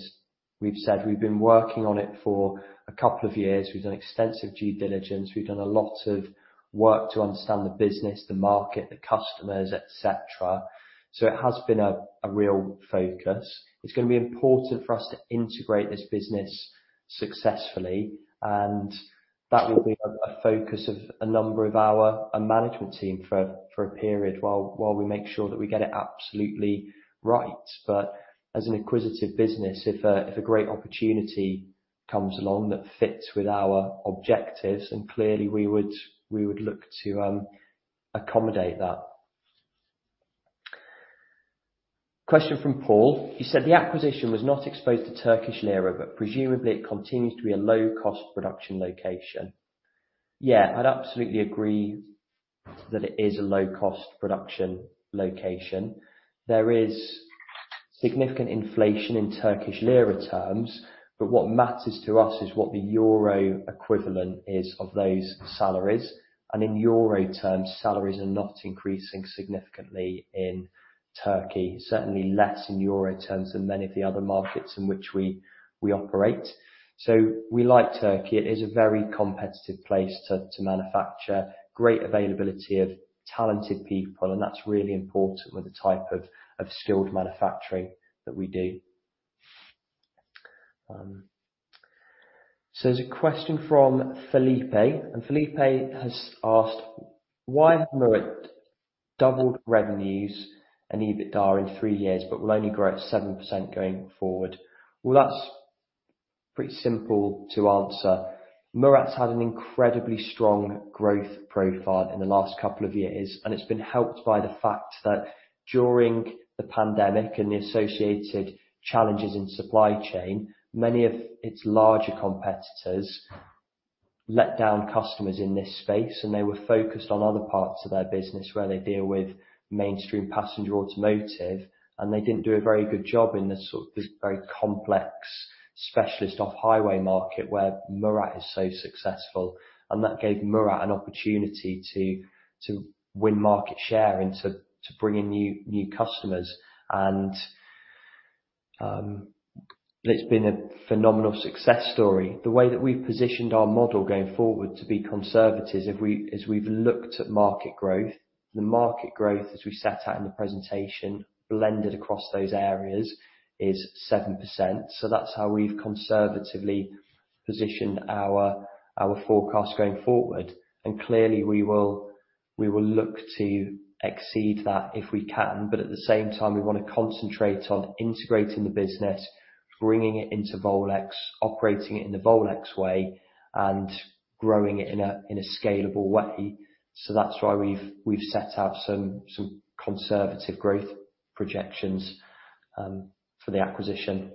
As we've said, we've been working on it for two years. We've done extensive due diligence. We've done a lot of work to understand the business, the market, the customers, et cetera. It has been a real focus. It's gonna be important for us to integrate this business successfully, and that will be a focus of a number of our management team for a period, while we make sure that we get it absolutely right. As an acquisitive business, if a great opportunity comes along that fits with our objectives, and clearly we would look to accommodate that. Question from Paul. He said, "The acquisition was not exposed to Turkish lira, but presumably it continues to be a low-cost production location." Yeah, I'd absolutely agree that it is a low-cost production location. There is significant inflation in Turkish lira terms, but what matters to us is what the euro equivalent is of those salaries. In euro terms, salaries are not increasing significantly in Turkey, certainly less in euro terms than many of the other markets in which we operate. We like Turkey. It is a very competitive place to manufacture, great availability of talented people, and that's really important with the type of skilled manufacturing that we do. There's a question from Felipe, and Felipe has asked, "Why have Murat doubled revenues and EBITDA in three years, but will only grow at 7% going forward?" Well, that's pretty simple to answer. Murat's had an incredibly strong growth profile in the last couple of years, and it's been helped by the fact that during the pandemic and the associated challenges in supply chain, many of its larger competitors let down customers in this space, and they were focused on other parts of their business, where they deal with mainstream passenger automotive, and they didn't do a very good job in this sort of, this very complex specialist off-highway market, where Murat is so successful. That gave Murat an opportunity to win market share and to bring in new customers, and it's been a phenomenal success story. The way that we've positioned our model going forward to be conservative, is as we've looked at market growth, the market growth, as we set out in the presentation, blended across those areas is 7%. That's how we've conservatively positioned our forecast going forward. Clearly, we will look to exceed that if we can, but at the same time, we want to concentrate on integrating the business, bringing it into Volex, operating it in the Volex way, and growing it in a scalable way. That's why we've set out some conservative growth projections for the acquisition.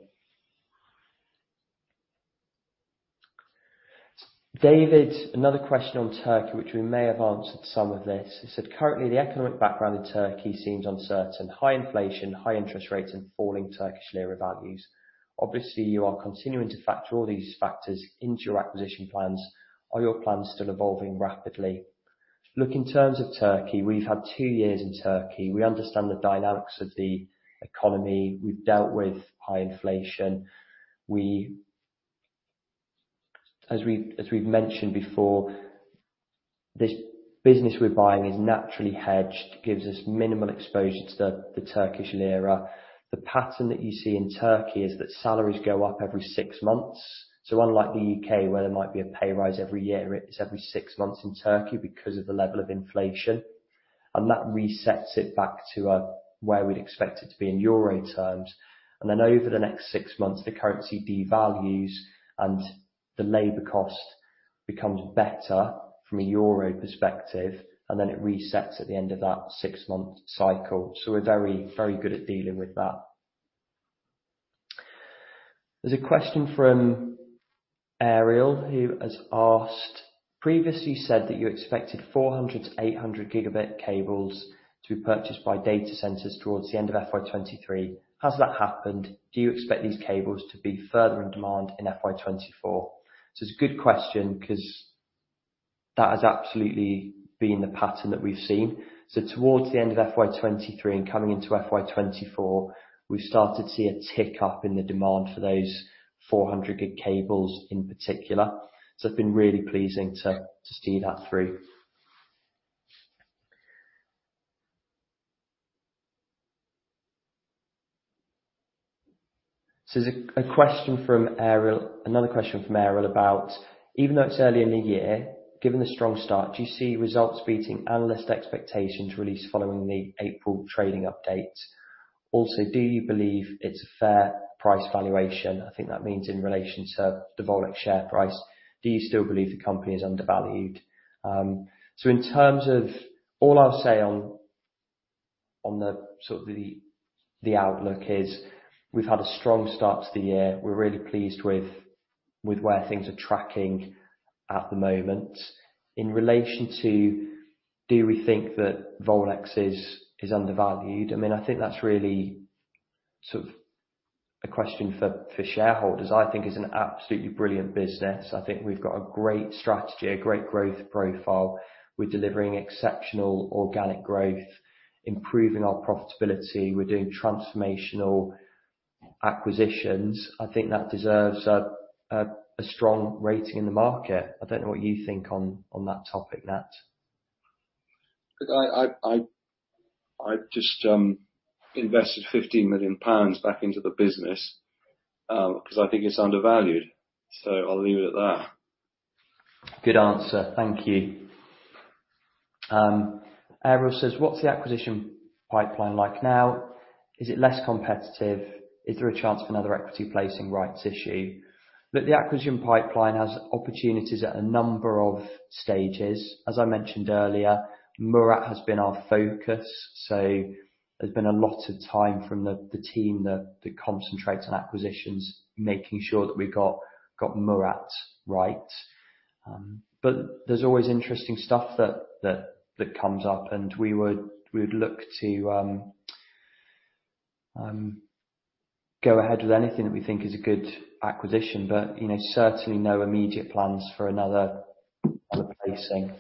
David, another question on Turkey, which we may have answered some of this. He said, "Currently, the economic background in Turkey seems uncertain, high inflation, high interest rates, and falling Turkish lira values. Obviously, you are continuing to factor all these factors into your acquisition plans. Are your plans still evolving rapidly?" In terms of Turkey, we've had two years in Turkey. We understand the dynamics of the economy. We've dealt with high inflation. As we've mentioned before, this business we're buying is naturally hedged, gives us minimal exposure to the Turkish lira. The pattern that you see in Turkey is that salaries go up every six months. Unlike the U.K., where there might be a pay rise every year, it's every six months in Turkey because of the level of inflation. That resets it back to where we'd expect it to be in euro terms. Over the next six months, the currency devalues, and the labor cost becomes better from a euro perspective, and then it resets at the end of that six month cycle. We're very, very good at dealing with that. There's a question from Ariel, who has asked, "Previously, you said that you expected 400 Gb-800 Gb cables to be purchased by data centers towards the end of FY 2023. Has that happened? Do you expect these cables to be further in demand in FY 2024?" It's a good question because that has absolutely been the pattern that we've seen. Towards the end of FY 2023 and coming into FY 2024, we've started to see a tick up in the demand for those 400 Gb cables in particular. It's been really pleasing to see that through. There's another question from Ariel about, "Even though it's early in the year, given the strong start, do you see results beating analyst expectations released following the April trading update? Also, do you believe it's a fair price valuation?" I think that means in relation to the Volex share price. "Do you still believe the company is undervalued?" In terms of all I'll say on the sort of the outlook is, we've had a strong start to the year. We're really pleased with where things are tracking at the moment. In relation to, do we think that Volex is undervalued? I mean, I think that's really sort of a question for shareholders. I think it's an absolutely brilliant business. I think we've got a great strategy, a great growth profile. We're delivering exceptional organic growth, improving our profitability. We're doing transformational acquisitions. I think that deserves a strong rating in the market. I don't know what you think on that topic, Nat. Look, I just invested 50 million pounds back into the business, because I think it's undervalued. I'll leave it at that. Good answer. Thank you. Ariel says, "What's the acquisition pipeline like now? Is it less competitive? Is there a chance of another equity placing rights issue?" The acquisition pipeline has opportunities at a number of stages. As I mentioned earlier, Murat has been our focus. There's been a lot of time from the team that concentrates on acquisitions, making sure that we've got Murat right. But there's always interesting stuff that comes up, and we would look to go ahead with anything that we think is a good acquisition, but, you know, certainly no immediate plans for another placing.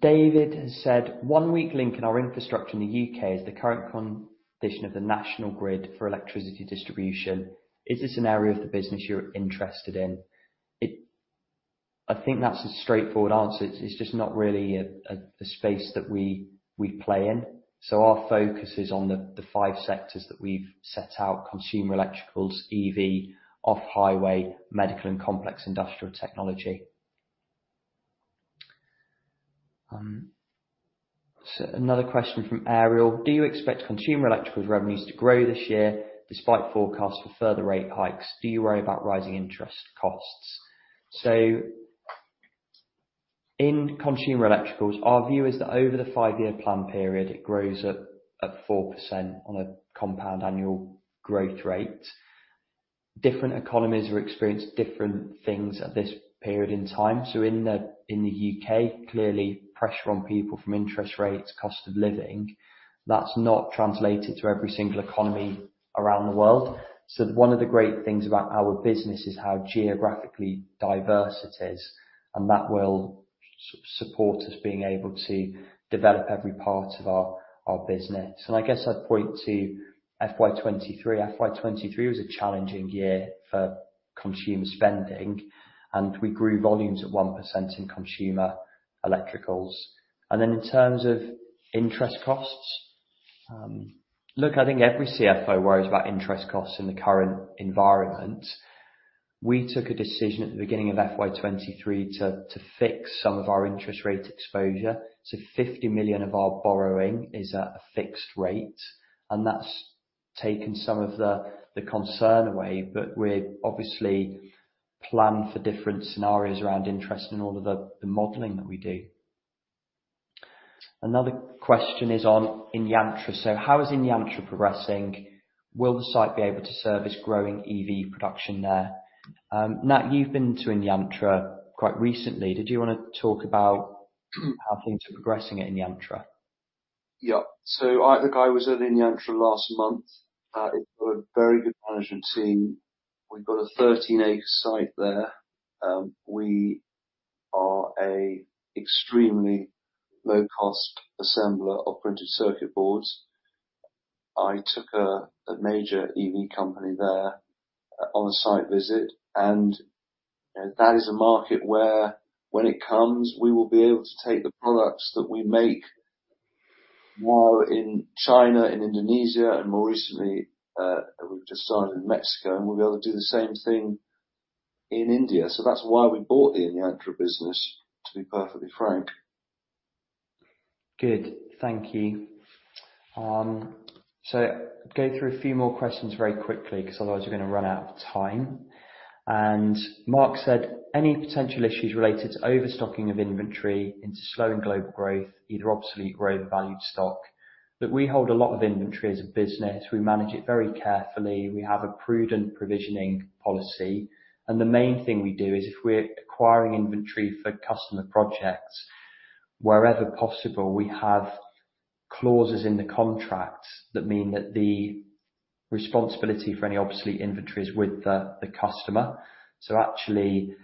David has said, "One weak link in our infrastructure in the U.K. is the current condition of the national grid for electricity distribution. Is this an area of the business you're interested in?" I think that's a straightforward answer. It's just not really a space that we play in. Our focus is on the five sectors that we've set out: consumer electricals, EV, off-highway, medical, and complex industrial technology. Another question from Ariel: "Do you expect consumer electricals revenues to grow this year despite forecasts for further rate hikes? Do you worry about rising interest costs?" In consumer electricals, our view is that over the five-year plan period, it grows at 4% on a compound annual growth rate. Different economies will experience different things at this period in time. In the U.K., clearly pressure on people from interest rates, cost of living, that's not translated to every single economy around the world. One of the great things about our business is how geographically diverse it is, and that will support us being able to develop every part of our business. I guess I'd point to FY 2023. FY 2023 was a challenging year for consumer spending, and we grew volumes at 1% in consumer electricals. In terms of interest costs, look, I think every CFO worries about interest costs in the current environment. We took a decision at the beginning of FY 2023 to fix some of our interest rate exposure, so $50 million of our borrowing is at a fixed rate, and that's taken some of the concern away, but we're obviously plan for different scenarios around interest in all of the modeling that we do. Another question is on inYantra. "How is inYantra progressing? Will the site be able to service growing EV production there? Nat, you've been to inYantra quite recently. Did you wanna talk about how things are progressing at inYantra? Look, I was at inYantra last month. It's got a very good management team. We've got a 13-acre site there. We are a extremely low-cost assembler of printed circuit boards. I took a major EV company there on a site visit, and, you know, that is a market where, when it comes, we will be able to take the products that we make while in China and Indonesia, and more recently, we've just started in Mexico, and we'll be able to do the same thing in India. That's why we bought the inYantra business, to be perfectly frank. Good. Thank you. Go through a few more questions very quickly, 'cause otherwise we're gonna run out of time. Mark said, "Any potential issues related to overstocking of inventory into slowing global growth, either obsolete or overvalued stock?" Look, we hold a lot of inventory as a business. We manage it very carefully. We have a prudent provisioning policy, and the main thing we do is, if we're acquiring inventory for customer projects, wherever possible, we have clauses in the contract that mean that the responsibility for any obsolete inventory is with the customer. Actually,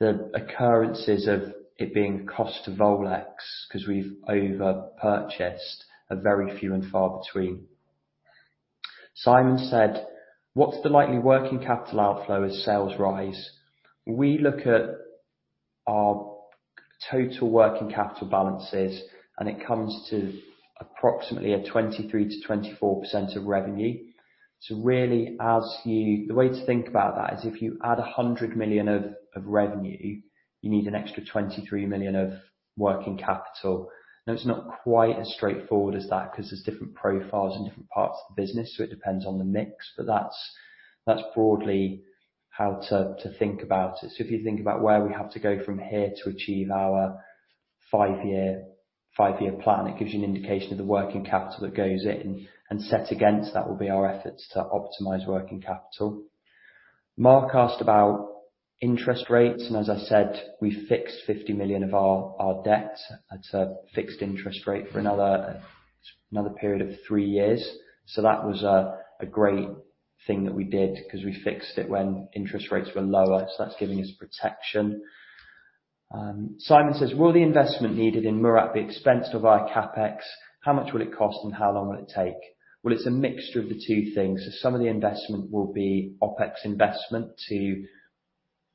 the occurrences of it being a cost to Volex, 'cause we've overpurchased, are very few and far between. Simon said: What's the likely working capital outflow as sales rise? We look at our total working capital balances, and it comes to approximately a 23%-24% of revenue. Really, the way to think about that is if you add $100 million of revenue, you need an extra $23 million of working capital. It's not quite as straightforward as that, 'cause there's different profiles in different parts of the business, so it depends on the mix, but that's broadly how to think about it. If you think about where we have to go from here to achieve our five year, five year plan, it gives you an indication of the working capital that goes in, and set against that will be our efforts to optimize working capital. Mark asked about interest rates, and as I said, we fixed $50 million of our debt at a fixed interest rate for another period of three years. That was a great thing that we did 'cause we fixed it when interest rates were lower, that's giving us protection. Simon says: "Will the investment needed in Murat be expensed of our CapEx? How much will it cost, and how long will it take?" It's a mixture of the two things. Some of the investment will be OpEx investment to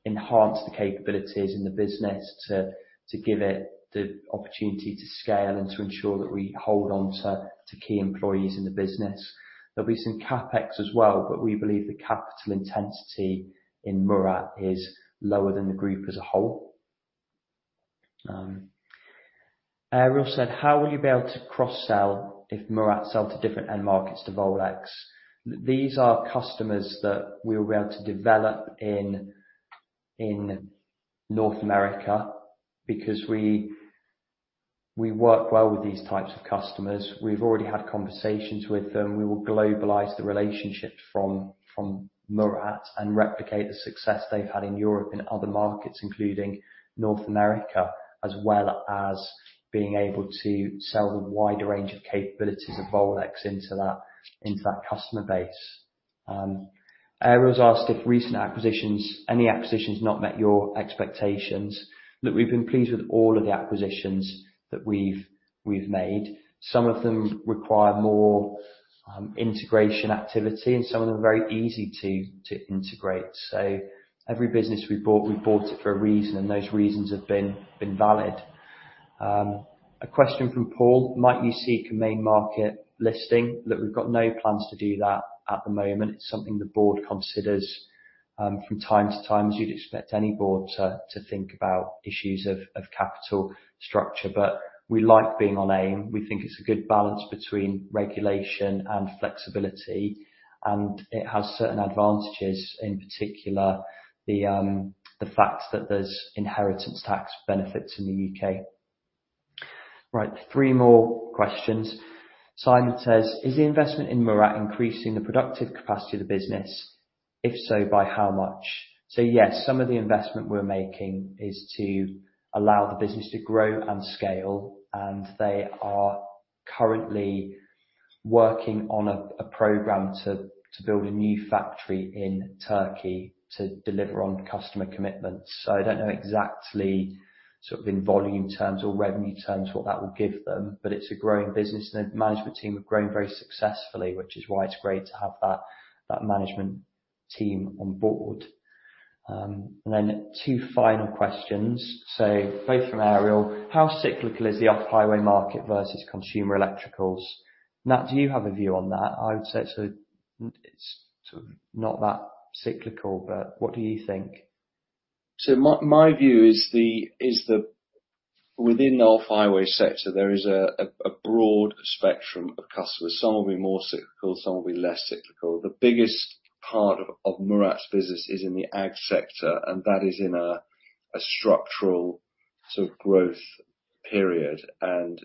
enhance the capabilities in the business to give it the opportunity to scale and to ensure that we hold on to key employees in the business. There'll be some CapEx as well, but we believe the capital intensity in Murat is lower than the group as a whole. Ariel said, "How will you be able to cross-sell if Murat sell to different end markets to Volex?" These are customers that we will be able to develop in North America, because we work well with these types of customers. We've already had conversations with them. We will globalize the relationship from Murat and replicate the success they've had in Europe and other markets, including North America, as well as being able to sell the wider range of capabilities of Volex into that customer base. Ariel has asked if recent acquisitions, any acquisitions not met your expectations. Look, we've been pleased with all of the acquisitions that we've made. Some of them require more integration activity, and some of them are very easy to integrate. Every business we bought, we bought it for a reason, and those reasons have been valid. A question from Paul: Might you seek a main market listing? Look, we've got no plans to do that at the moment. It's something the board considers from time to time, as you'd expect any board to think about issues of capital structure. We like being on AIM. We think it's a good balance between regulation and flexibility, and it has certain advantages, in particular, the fact that there's inheritance tax benefits in the U.K. Three more questions. Simon says, "Is the investment in Murat increasing the productive capacity of the business? If so, by how much?" Yes, some of the investment we're making is to allow the business to grow and scale, and they are currently working on a program to build a new factory in Turkey to deliver on customer commitments. I don't know exactly, sort of, in volume terms or revenue terms, what that will give them, but it's a growing business, and the management team have grown very successfully, which is why it's great to have that management team on board. Then two final questions. Both from Ariel: How cyclical is the off-highway market versus consumer electricals? Nat, do you have a view on that? I would say it's sort of not that cyclical, but what do you think? My view is the within the off-highway sector, there is a broad spectrum of customers. Some will be more cyclical, some will be less cyclical. The biggest part of Murat's business is in the ag sector, and that is in a structural sort of growth period, and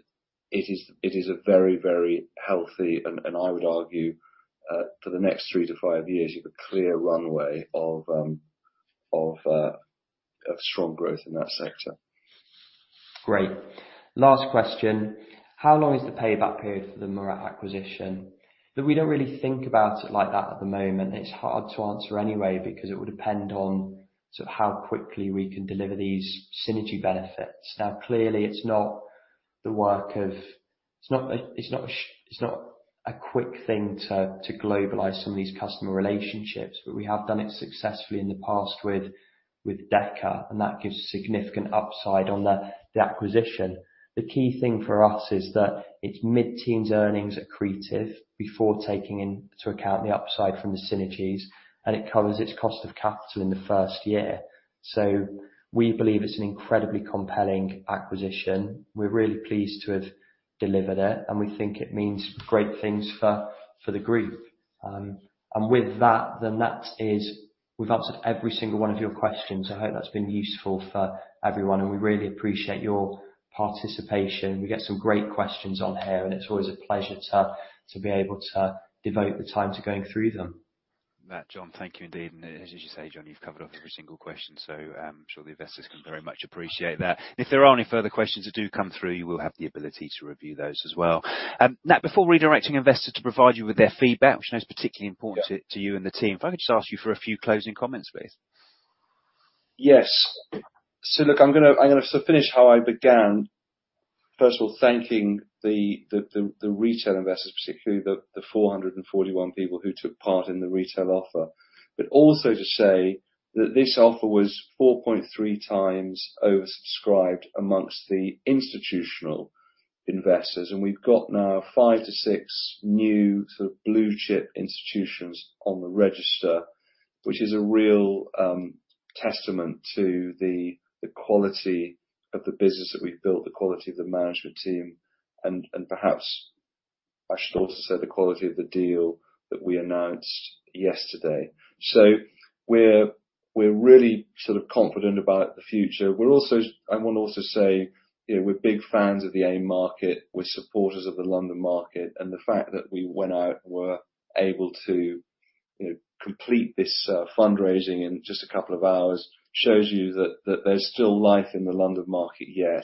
it is a very, very healthy. I would argue for the next three to five years, you have a clear runway of strong growth in that sector. Great. Last question: How long is the payback period for the Murat acquisition? That we don't really think about it like that at the moment. It's hard to answer anyway because it would depend on sort of how quickly we can deliver these synergy benefits. Clearly, it's not a quick thing to globalize some of these customer relationships, but we have done it successfully in the past with DE-KA, and that gives significant upside on the acquisition. The key thing for us is that it's mid-teens earnings accretive before taking into account the upside from the synergies, and it covers its cost of capital in the first year. We believe it's an incredibly compelling acquisition. We're really pleased to have delivered it, and we think it means great things for the group. With that, we've answered every single one of your questions. I hope that's been useful for everyone. We really appreciate your participation. We get some great questions on here. It's always a pleasure to be able to devote the time to going through them. Nat, Jon, thank you indeed. As you say, Jon, you've covered off every single question, so I'm sure the investors can very much appreciate that. If there are any further questions that do come through, you will have the ability to review those as well. Nat, before redirecting investors to provide you with their feedback, which I know is particularly important- Yeah. to you and the team, if I could just ask you for a few closing comments, please. Yes. Look, I'm gonna finish how I began. First of all, thanking the retail investors, particularly the 441 people who took part in the retail offer, also to say that this offer was 4.3 times oversubscribed amongst the institutional investors, we've got now five to six new sort of blue chip institutions on the register, which is a real testament to the quality of the business that we've built, the quality of the management team, and perhaps I should also say, the quality of the deal that we announced yesterday. We're really sort of confident about the future. I want to also say, you know, we're big fans of the AIM market. We're supporters of the London market. The fact that we went out and were able to, you know, complete this fundraising in just two hours, shows you that there's still life in the London market yet,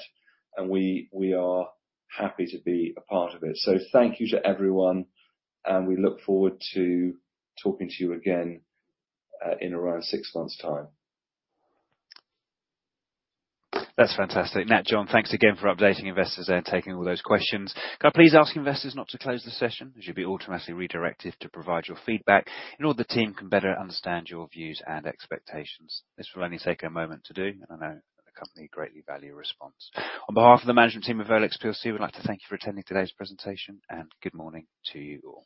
and we are happy to be a part of it. Thank you to everyone. We look forward to talking to you again in around six months' time. That's fantastic. Nat, Jon, thanks again for updating investors and taking all those questions. Can I please ask investors not to close the session? As you'll be automatically redirected to provide your feedback, and all the team can better understand your views and expectations. This will only take a moment to do, and I know the company greatly value your response. On behalf of the management team of Volex plc, we'd like to thank you for attending today's presentation, and good morning to you all.